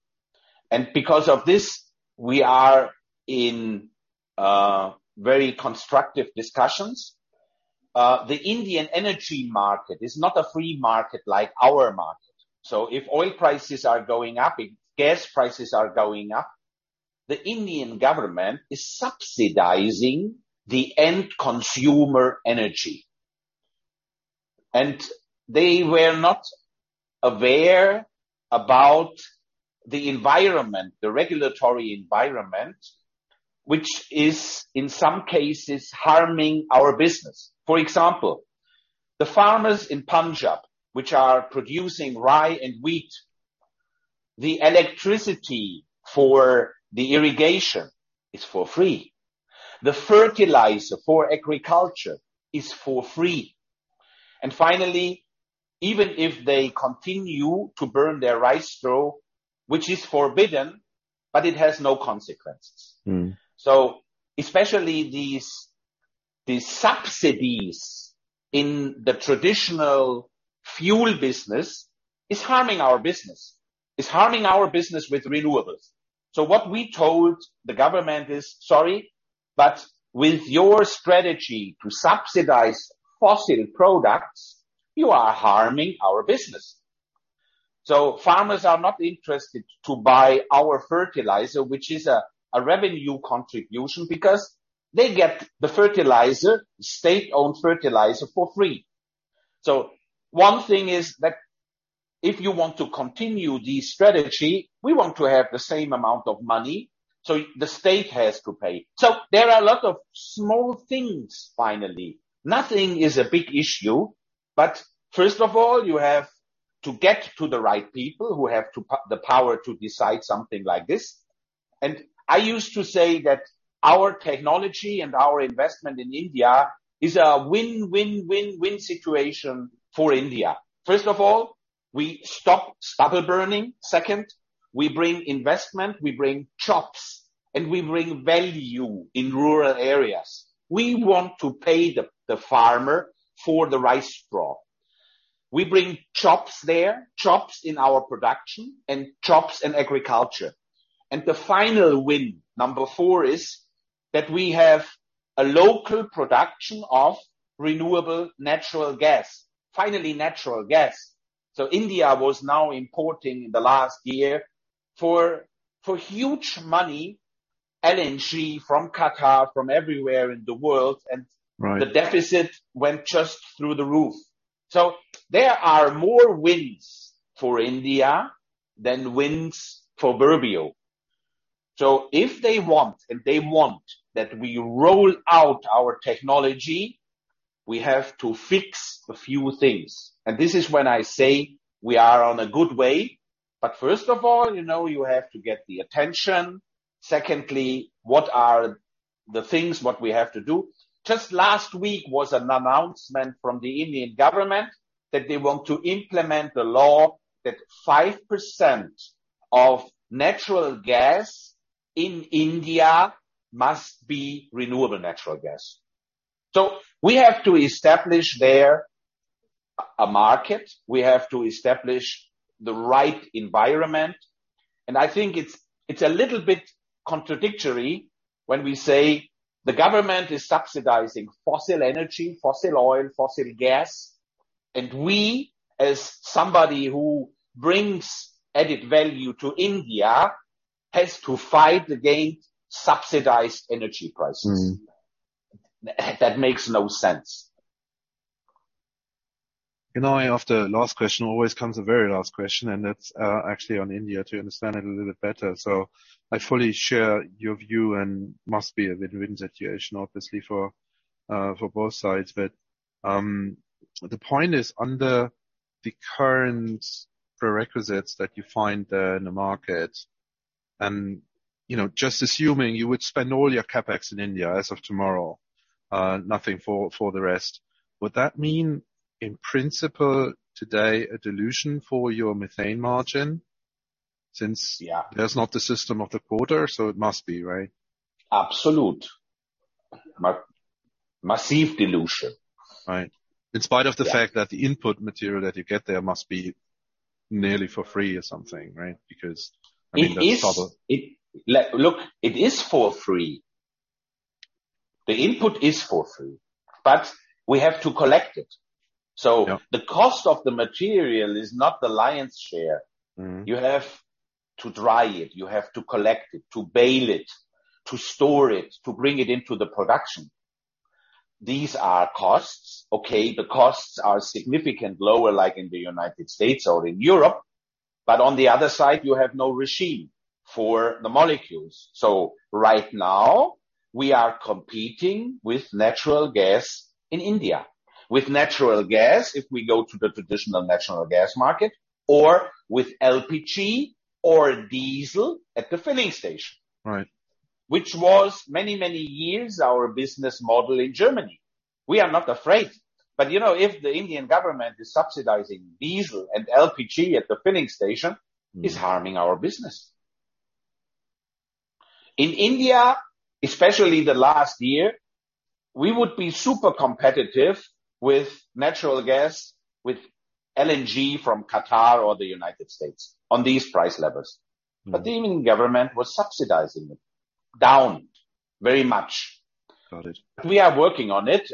Because of this, we are in very constructive discussions. The Indian energy market is not a free market like our market. If oil prices are going up, if gas prices are going up, the Indian government is subsidizing the end consumer energy. They were not aware about the environment, the regulatory environment, which is in some cases harming our business. For example, the farmers in Punjab, which are producing rye and wheat, the electricity for the irrigation is for free. The fertilizer for agriculture is for free. Finally, even if they continue to burn their rice straw, which is forbidden, but it has no consequences. Mm. Especially these subsidies in the traditional fuel business is harming our business. It's harming our business with renewables. What we told the government is, "Sorry, but with your strategy to subsidize fossil products, you are harming our business." Farmers are not interested to buy our fertilizer, which is a revenue contribution because they get the fertilizer, state-owned fertilizer for free. One thing is that if you want to continue this strategy, we want to have the same amount of money, the state has to pay. There are a lot of small things, finally. Nothing is a big issue, but first of all, you have to get to the right people who have the power to decide something like this. I used to say that our technology and our investment in India is a win-win-win-win situation for India. First of all, we stop stubble burning. Second, we bring investment, we bring jobs, and we bring value in rural areas. We want to pay the farmer for the rice straw. We bring jobs there, jobs in our production and jobs in agriculture. The final win, number four, is that we have a local production of renewable natural gas. Finally, natural gas. India was now importing in the last year for huge money, LNG from Qatar, from everywhere in the world. Right. The deficit went just through the roof. There are more wins for India than wins for Verbio. If they want, and they want that we roll out our technology, we have to fix a few things. This is when I say we are on a good way. First of all, you know, you have to get the attention. Secondly, what are the things, what we have to do? Last week was an announcement from the Indian government that they want to implement the law that 5% of natural gas in India must be renewable natural gas. We have to establish there a market. We have to establish the right environment. I think it's a little bit contradictory when we say the government is subsidizing fossil energy, fossil oil, fossil gas, and we, as somebody who brings added value to India, has to fight against subsidized energy prices. Mm. That makes no sense. You know, after last question always comes a very last question, and that's actually on India to understand it a little bit better. I fully share your view and must be a win-win situation, obviously, for both sides. The point is, under the current prerequisites that you find there in the market, and, you know, just assuming you would spend all your CapEx in India as of tomorrow, nothing for the rest, would that mean, in principle, today a dilution for your methane margin? Since. Yeah. That's not the system of the quarter, so it must be, right? Absolute. Massive dilution. Right. In spite of the fact that the input material that you get there must be nearly for free or something, right? I mean, that's trouble. It is. Look, it is for free. The input is for free, but we have to collect it. Yeah. The cost of the material is not the lion's share. Mm-hmm. You have to dry it. You have to collect it, to bale it, to store it, to bring it into the production. These are costs. The costs are significantly lower, like in the United States or in Europe, but on the other side, you have no regime for the molecules. Right now, we are competing with natural gas in India. With natural gas, if we go to the traditional natural gas market or with LPG or diesel at the filling station. Right. Which was many, many years our business model in Germany. We are not afraid. You know, if the Indian government is subsidizing diesel and LPG at the filling station, it's harming our business. In India, especially the last year, we would be super competitive with natural gas, with LNG from Qatar or the United States on these price levels. Mm-hmm. The Indian government was subsidizing it down very much. Got it. We are working on it,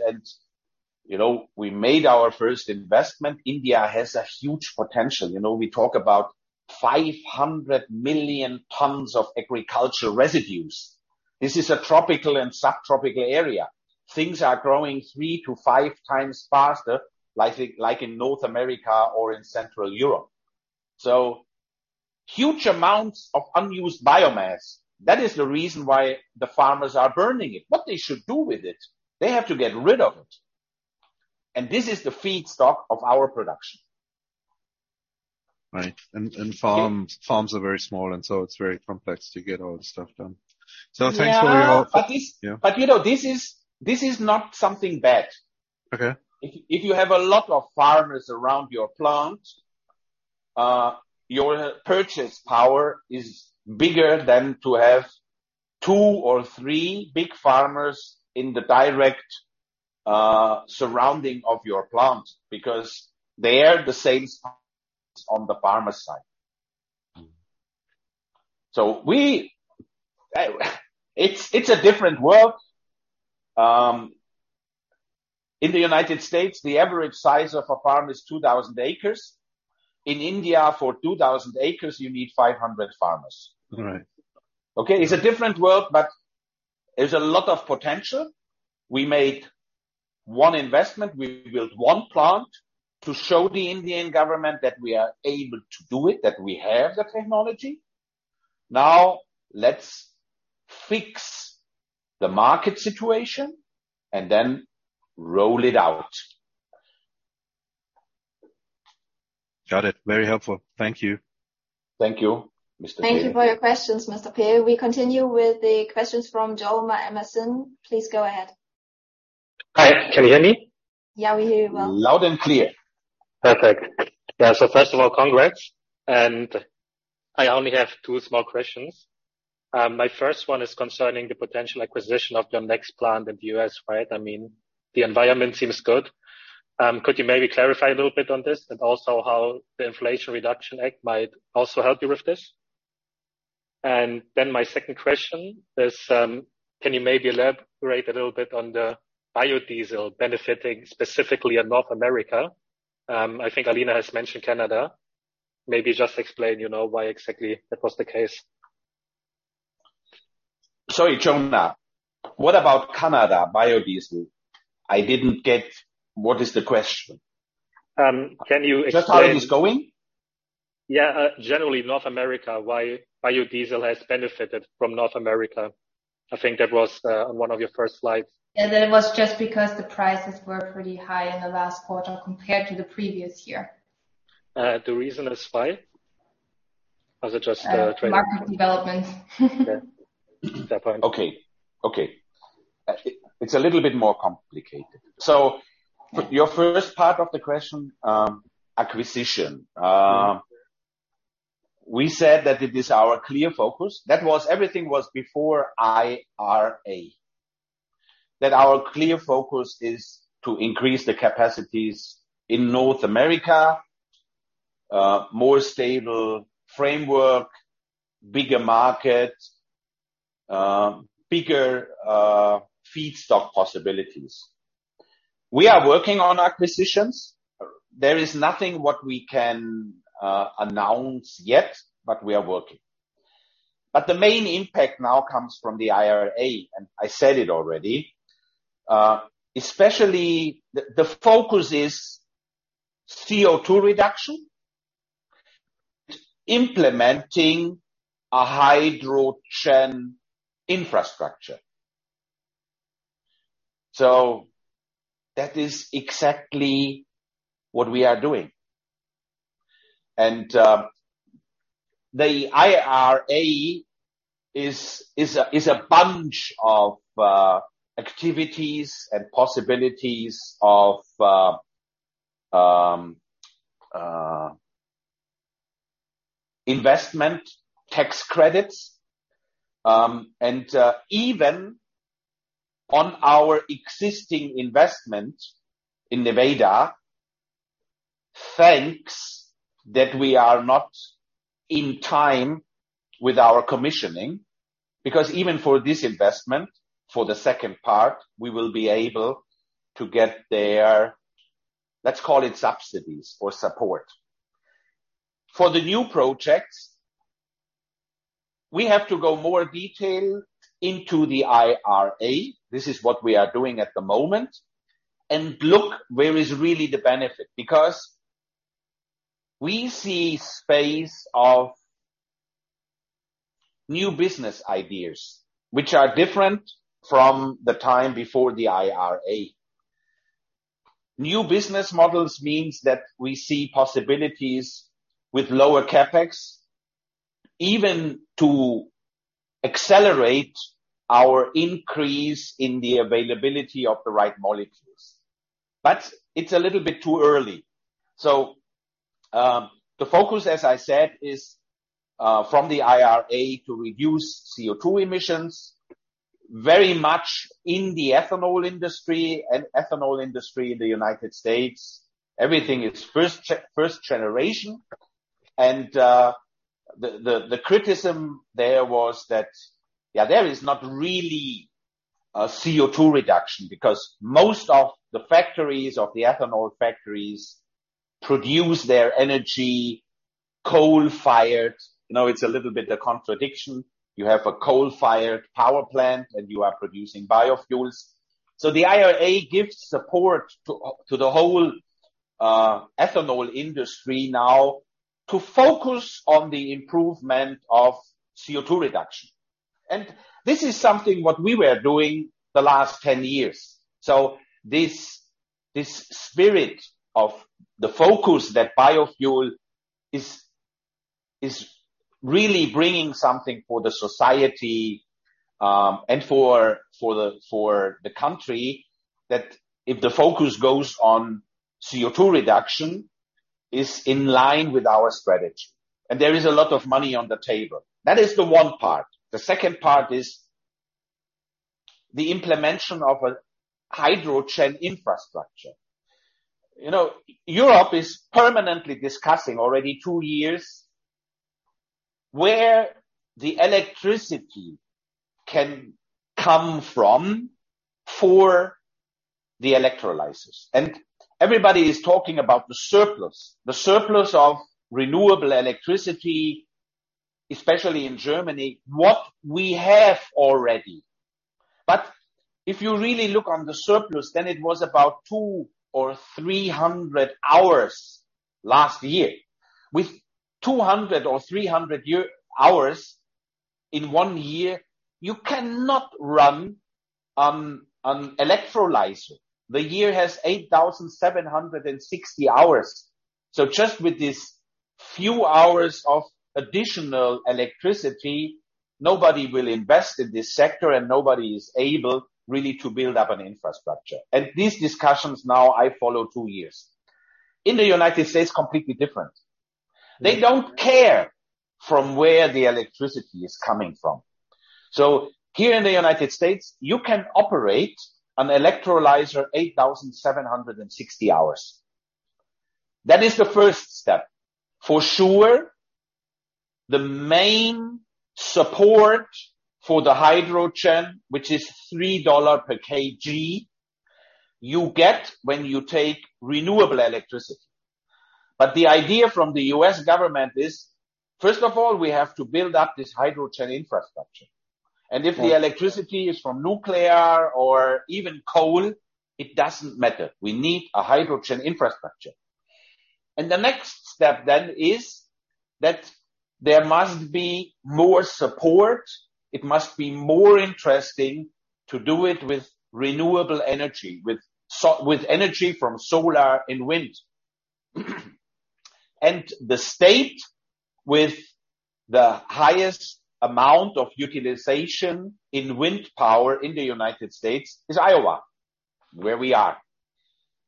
you know, we made our first investment. India has a huge potential. You know, we talk about 500 million tons of agricultural residues. This is a tropical and subtropical area. Things are growing 3 to 5 times faster, like in North America or in Central Europe. Huge amounts of unused biomass. That is the reason why the farmers are burning it. What they should do with it? They have to get rid of it. This is the feedstock of our production. Right. Farms are very small, and so it's very complex to get all the stuff done. Thanks for your help. Yeah. Yeah. you know, this is not something bad. Okay. If you have a lot of farmers around your plant, your purchase power is bigger than to have two or three big farmers in the direct surrounding of your plant because they are the same size on the farmer side. Mm-hmm. It's a different world. In the United States, the average size of a farm is 2,000 acres. In India, for 2,000 acres, you need 500 farmers. Right. Okay? It's a different world, but there's a lot of potential. We made one investment. We built one plant to show the Indian government that we are able to do it, that we have the technology. Now let's fix the market situation and then roll it out. Got it. Very helpful. Thank you. Thank you, Mr. Piere. Thank you for your questions, Mr. Piere. We continue with the questions from Joma Emerson. Please go ahead. Hi. Can you hear me? Yeah, we hear you well. Loud and clear. Perfect. Yeah. First of all, congrats. I only have two small questions. My first one is concerning the potential acquisition of your next plant in the U.S., right? I mean, the environment seems good. Could you maybe clarify a little bit on this and also how the Inflation Reduction Act might also help you with this? My second question is, can you maybe elaborate a little bit on the biodiesel benefiting specifically in North America? I think Alina has mentioned Canada. Maybe just explain, you know, why exactly that was the case. Sorry, Joma. What about Canada biodiesel? I didn't get what is the question. can you explain- Just how it is going? Generally North America, why biodiesel has benefited from North America. I think that was, on one of your first slides. Yeah. That was just because the prices were pretty high in the last quarter compared to the previous year. The reason is why? Is it just. market development. Fair point. Okay. Okay. It's a little bit more complicated. Your first part of the question, acquisition. We said that it is our clear focus. That was everything was before IRA. That our clear focus is to increase the capacities in North America, more stable framework, bigger market, bigger feedstock possibilities. We are working on acquisitions. There is nothing what we can announce yet, but we are working. The main impact now comes from the IRA, and I said it already. Especially the focus is CO2 reduction, implementing a hydrogen infrastructure. That is exactly what we are doing. The IRA is a bunch of activities and possibilities of investment tax credits, and even on our existing investment in NevadaThanks that we are not in time with our commissioning, because even for this investment, for the second part, we will be able to get their, let's call it subsidies or support. For the new projects, we have to go more detail into the IRA. This is what we are doing at the moment, and look where is really the benefit, because we see space of new business ideas which are different from the time before the IRA. New business models means that we see possibilities with lower CapEx, even to accelerate our increase in the availability of the right molecules. It's a little bit too early. The focus, as I said, is from the IRA to reduce CO₂ emissions very much in the ethanol industry and ethanol industry in the United States, everything is first generation. The criticism there was that, yeah, there is not really a CO₂ reduction because most of the factories, of the ethanol factories produce their energy coal-fired. You know, it's a little bit a contradiction. You have a coal-fired power plant, and you are producing biofuels. The IRA gives support to the whole ethanol industry now to focus on the improvement of CO₂ reduction. This is something what we were doing the last 10 years. This spirit of the focus that biofuel is really bringing something for the society, and for the country, that if the focus goes on CO₂ reduction, is in line with our strategy. There is a lot of money on the table. That is the one part. The second part is the implementation of a hydrogen infrastructure. You know, Europe is permanently discussing already 2 years where the electricity can come from for the electrolysis. Everybody is talking about the surplus of renewable electricity, especially in Germany, what we have already. If you really look on the surplus, then it was about 200 or 300 hours last year. With 200 or 300 hours in one year, you cannot run an electrolyzer. The year has 8,760 hours. Just with this few hours of additional electricity, nobody will invest in this sector, and nobody is able really to build up an infrastructure. These discussions now I follow two years. In the United States, completely different. They don't care from where the electricity is coming from. Here in the United States, you can operate an electrolyzer 8,760 hours. That is the first step. For sure, the main support for the hydrogen, which is $3 per kg, you get when you take renewable electricity. The idea from the U.S. government is, first of all, we have to build up this hydrogen infrastructure. If the electricity is from nuclear or even coal, it doesn't matter. We need a hydrogen infrastructure. The next step then is that there must be more support. It must be more interesting to do it with renewable energy, with energy from solar and wind. The state with the highest amount of utilization in wind power in the United States is Iowa, where we are.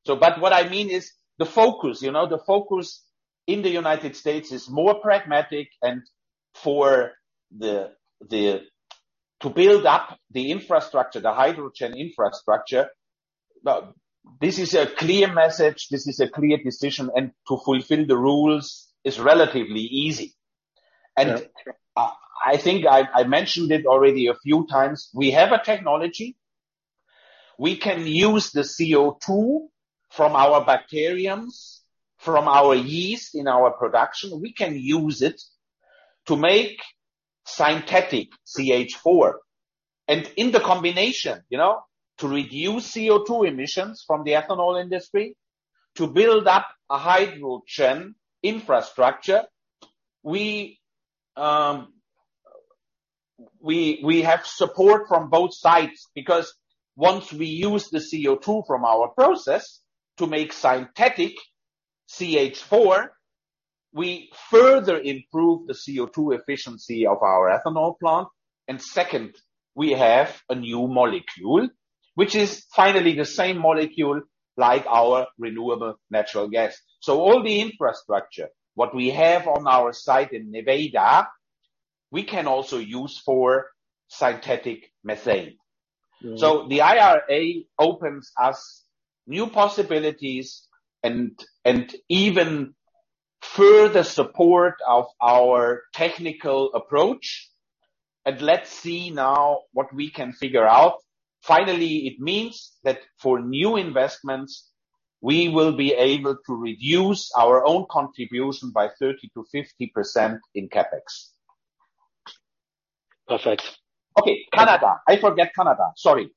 But what I mean is the focus. You know, the focus in the United States is more pragmatic and for the infrastructure, the hydrogen infrastructure, this is a clear message, this is a clear decision, and to fulfill the rules is relatively easy. I think I mentioned it already a few times, we have a technology. We can use the CO₂ from our bacteriums, from our yeast in our production. We can use it to make synthetic CH4. In the combination, you know, to reduce CO₂ emissions from the ethanol industry, to build up a hydrogen infrastructure, we have support from both sides, because once we use the CO₂ from our process to make synthetic CH₄, we further improve the CO₂ efficiency of our ethanol plant. Second, we have a new molecule, which is finally the same molecule like our renewable natural gas. All the infrastructure, what we have on our site in Nevada, we can also use for synthetic methane. Mm. The IRA opens us new possibilities and even further support of our technical approach. Let's see now what we can figure out. Finally, it means that for new investments, we will be able to reduce our own contribution by 30%-50% in CapEx. Perfect. Okay. Canada. I forget Canada. Sorry.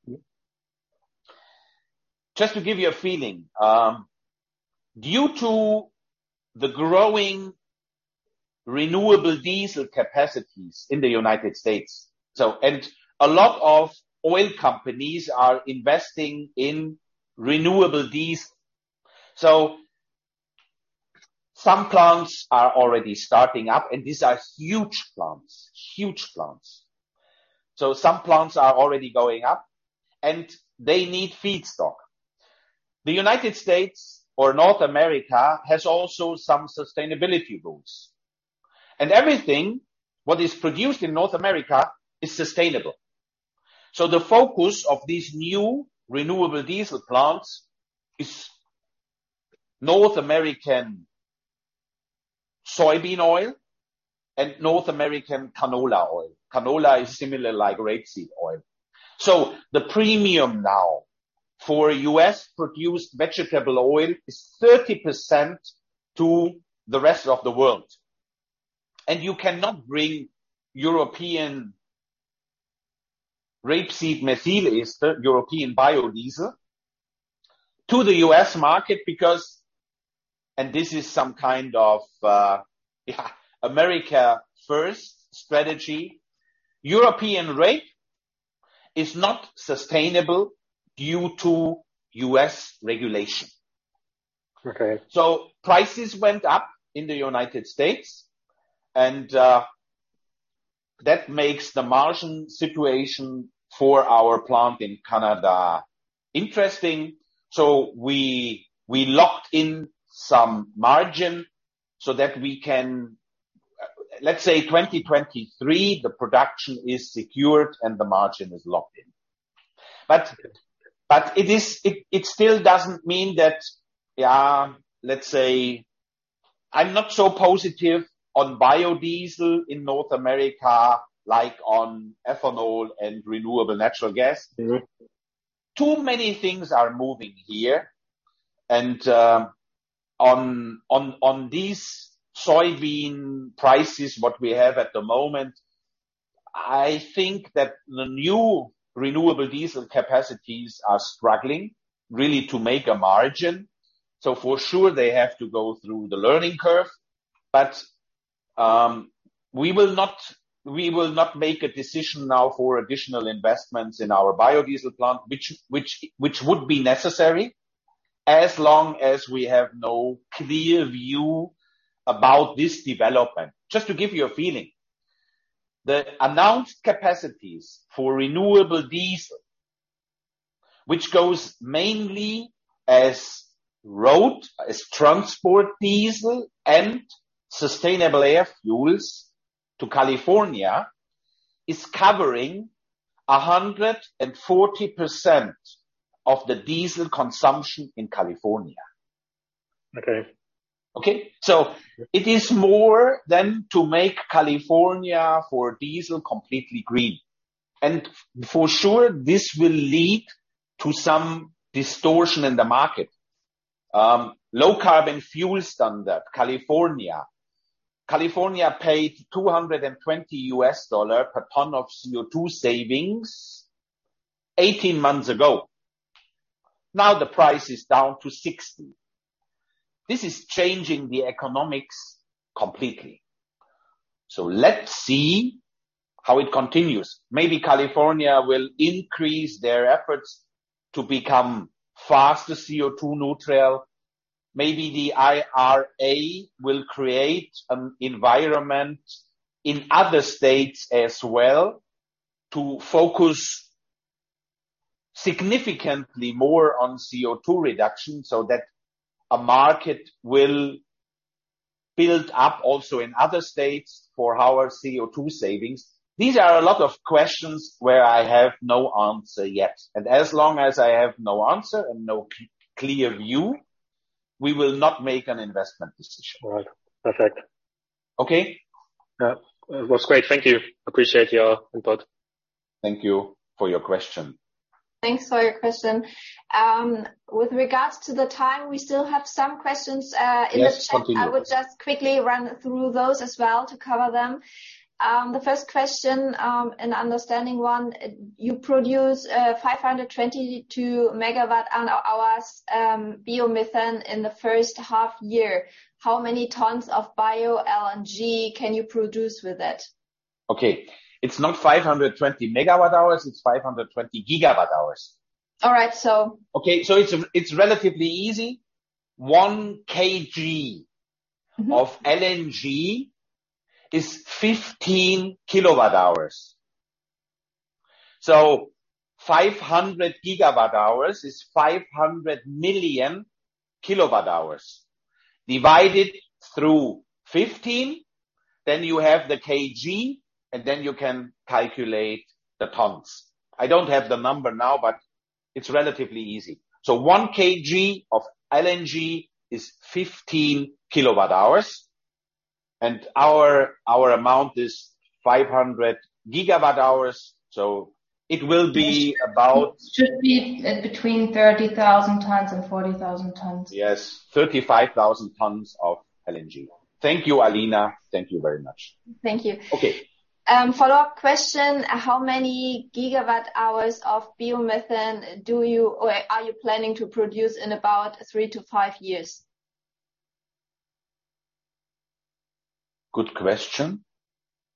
Just to give you a feeling, due to the growing renewable diesel capacities in the United States, a lot of oil companies are investing in renewable diesel. Some plants are already starting up, and these are huge plants. Huge plants. Some plants are already going up, and they need feedstock. The United States or North America has also some sustainability rules. Everything, what is produced in North America is sustainable. The focus of these new renewable diesel plants is North American soybean oil and North American canola oil. Canola is similar rapeseed oil. the premium now for U.S.-produced vegetable oil is 30% to the rest of the world. You cannot bring European rapeseed methyl ester, European biodiesel to the U.S. market because... This is some kind of, yeah, America First strategy. European rate is not sustainable due to U.S. regulation. Okay. Prices went up in the United States, and that makes the margin situation for our plant in Canada interesting. We locked in some margin so that we can, let's say 2023, the production is secured and the margin is locked in. It still doesn't mean that, let's say I'm not so positive on biodiesel in North America, like on ethanol and renewable natural gas. Mm-hmm. Too many things are moving here. On these soybean prices, what we have at the moment, I think that the new renewable diesel capacities are struggling really to make a margin. For sure, they have to go through the learning curve. We will not make a decision now for additional investments in our biodiesel plant, which would be necessary as long as we have no clear view about this development. Just to give you a feeling, the announced capacities for renewable diesel, which goes mainly as road, as transport diesel and sustainable air fuels to California, is covering 140% of the diesel consumption in California. Okay. Okay? It is more than to make California for diesel completely green. Low Carbon Fuel Standard, California. California paid $220 per ton of CO2 savings 18 months ago. Now the price is down to 60. This is changing the economics completely. Let's see how it continues. Maybe California will increase their efforts to become faster CO2 neutral. Maybe the IRA will create an environment in other states as well to focus significantly more on CO2 reduction so that a market will build up also in other states for our CO2 savings. These are a lot of questions where I have no answer yet. As long as I have no answer and no clear view, we will not make an investment decision. All right. Perfect. Okay? Yeah. It was great. Thank you. Appreciate your input. Thank you for your question. Thanks for your question. With regards to the time, we still have some questions, in the chat. Yes, continue. I would just quickly run through those as well to cover them. The first question, an understanding one. You produce 522 MWh biomethane in the first half year. How many tons of Bio-LNG can you produce with that? Okay. It's not 520 MWh, it's 520 GWh. All right. Okay. It's relatively easy. 1 kg of LNG is 15 kWh. 500 GWh is 500 million kWh. Divided through 15, you have the kg, and then you can calculate the tons. I don't have the number now, it's relatively easy. 1 kg of LNG is 15 kWh, and our amount is 500 GWh. It will be about- It should be between 30,000 tons and 40,000 tons. Yes. 35,000 tons of LNG. Thank you, Alina. Thank you very much. Thank you. Okay. Follow-up question. How many GWh of biomethane do you or are you planning to produce in about three to five years? Good question.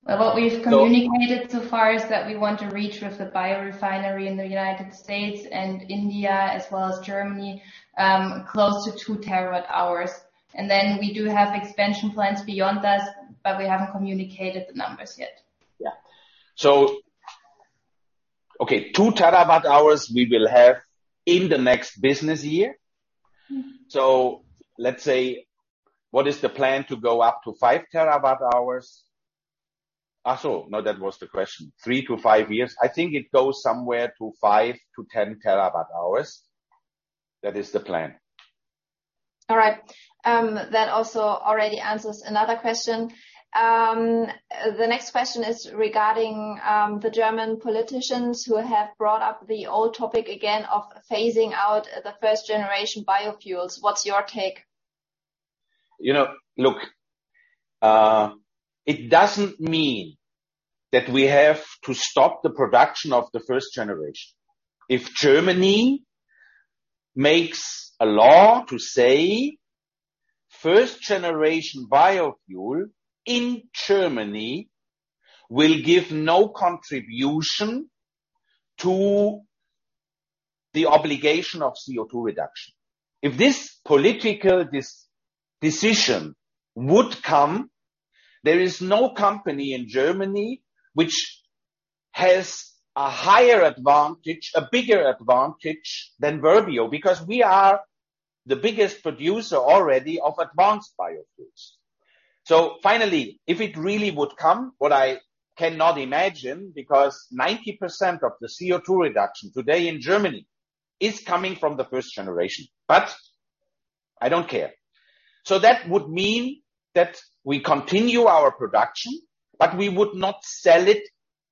What we've communicated so far is that we want to reach with the biorefinery in the United States and India as well as Germany, 2 TWh. We do have expansion plans beyond this, but we haven't communicated the numbers yet. Yeah. Okay, 2 TWh we will have in the next business year. Mm-hmm. Let's say, what is the plan to go up to 5 TWh? No, that was the question. Three to five years. I think it goes somewhere to 5 TWh-10 TWh. That is the plan. All right. That also already answers another question. The next question is regarding the German politicians who have brought up the old topic again of phasing out the first generation biofuels. What's your take? You know, look, it doesn't mean that we have to stop the production of the first generation. If Germany makes a law to say, first generation biofuel in Germany will give no contribution to the obligation of CO₂ reduction. If this political decision would come, there is no company in Germany which has a higher advantage, a bigger advantage than Verbio, because we are the biggest producer already of advanced biofuels. Finally, if it really would come, what I cannot imagine, because 90% of the CO₂ reduction today in Germany is coming from the first generation, but I don't care. That would mean that we continue our production, but we would not sell it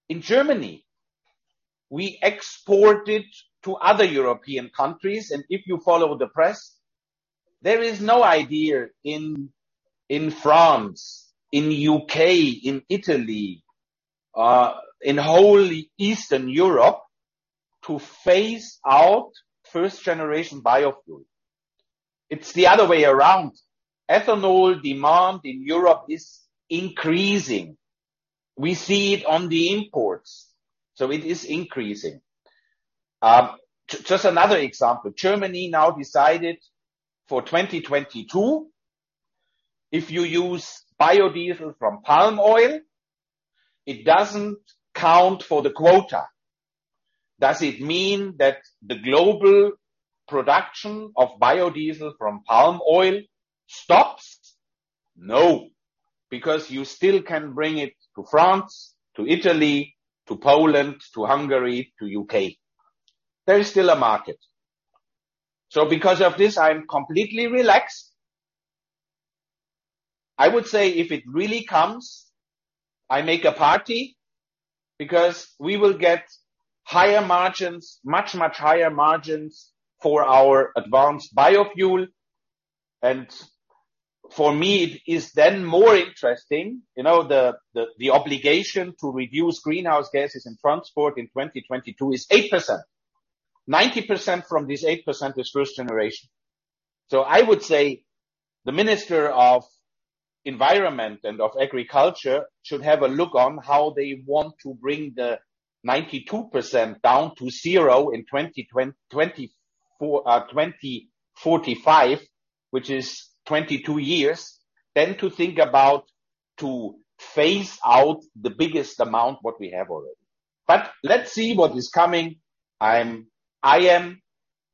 in Germany. We export it to other European countries. If you follow the press, there is no idea in France, in UK, in Italy, in whole Eastern Europe to phase out first generation biofuel. It's the other way around. Ethanol demand in Europe is increasing. We see it on the imports, it is increasing. Just another example. Germany now decided for 2022, if you use biodiesel from palm oil, it doesn't count for the quota. Does it mean that the global production of biodiesel from palm oil stops? No, because you still can bring it to France, to Italy, to Poland, to Hungary, to U.K.. There is still a market. Because of this, I am completely relaxed. I would say if it really comes, I make a party because we will get higher margins, much, much higher margins for our advanced biofuel. For me, it is then more interesting. You know, the obligation to reduce greenhouse gases in transport in 2022 is 8%. 90% from this 8% is first generation. I would say the Minister of Environment and of Agriculture should have a look on how they want to bring the 92% down to zero in 2024-2045, which is 22 years. To think about to phase out the biggest amount what we have already. Let's see what is coming.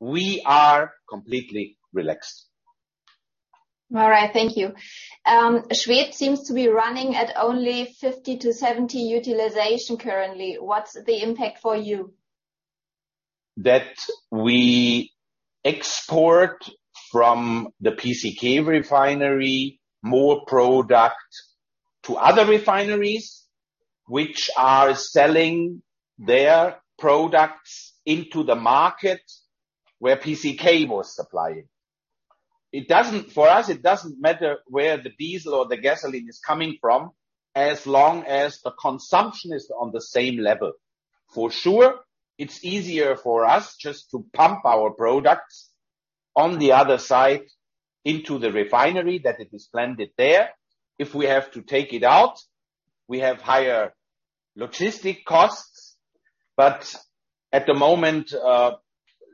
We are completely relaxed. All right. Thank you. Schwedt seems to be running at only 50%-70% utilization currently. What's the impact for you? We export from the PCK refinery more product to other refineries, which are selling their products into the market where PCK was supplying. For us, it doesn't matter where the diesel or the gasoline is coming from, as long as the consumption is on the same level. It's easier for us just to pump our products on the other side into the refinery that it is blended there. If we have to take it out, we have higher logistic costs. At the moment,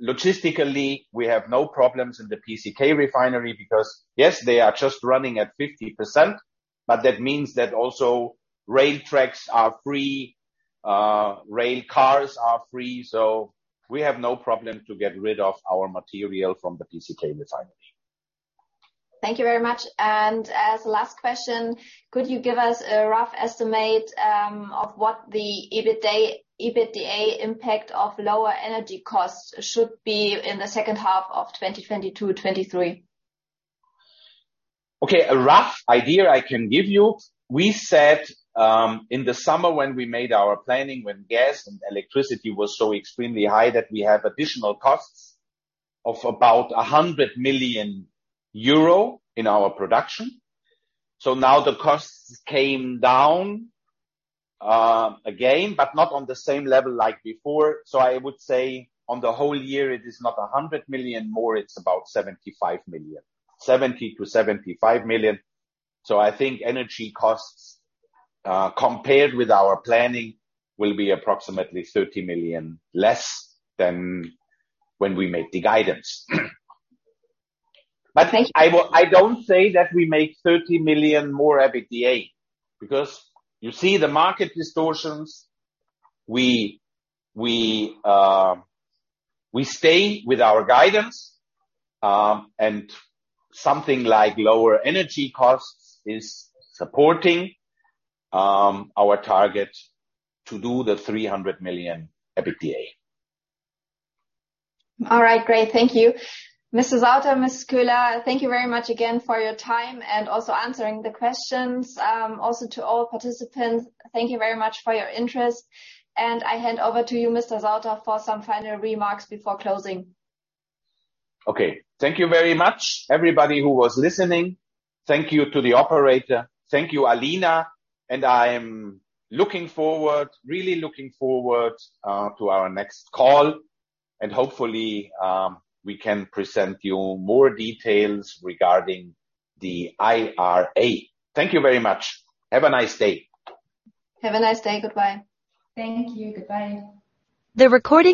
Logistically, we have no problems in the PCK refinery because, yes, they are just running at 50%, but that means that also rail tracks are free, rail cars are free. We have no problem to get rid of our material from the PCK refinery. Thank you very much. As the last question, could you give us a rough estimate of what the EBITDA impact of lower energy costs should be in the second half of 2022-2023? Okay. A rough idea I can give you. We said in the summer when we made our planning, when gas and electricity was so extremely high that we have additional costs of about 100 million euro in our production. Now the costs came down again, but not on the same level like before. I would say on the whole year it is not 100 million more, it's about 75 million. 70 million-75 million. I think energy costs compared with our planning, will be approximately 30 million less than when we made the guidance. Thank you. I don't say that we make 30 million more EBITDA because you see the market distortions. We stay with our guidance, and something like lower energy costs is supporting our target to do the 300 million EBITDA. All right. Great. Thank you. Mr. Sauter, Miss Köhler, thank you very much again for your time and also answering the questions. Also to all participants, thank you very much for your interest. I hand over to you, Mr. Sauter, for some final remarks before closing. Okay. Thank you very much everybody who was listening. Thank you to the operator. Thank you, Alina. I am looking forward, really looking forward, to our next call and hopefully, we can present you more details regarding the IRA. Thank you very much. Have a nice day. Have a nice day. Goodbye. Thank you. Goodbye. The recording-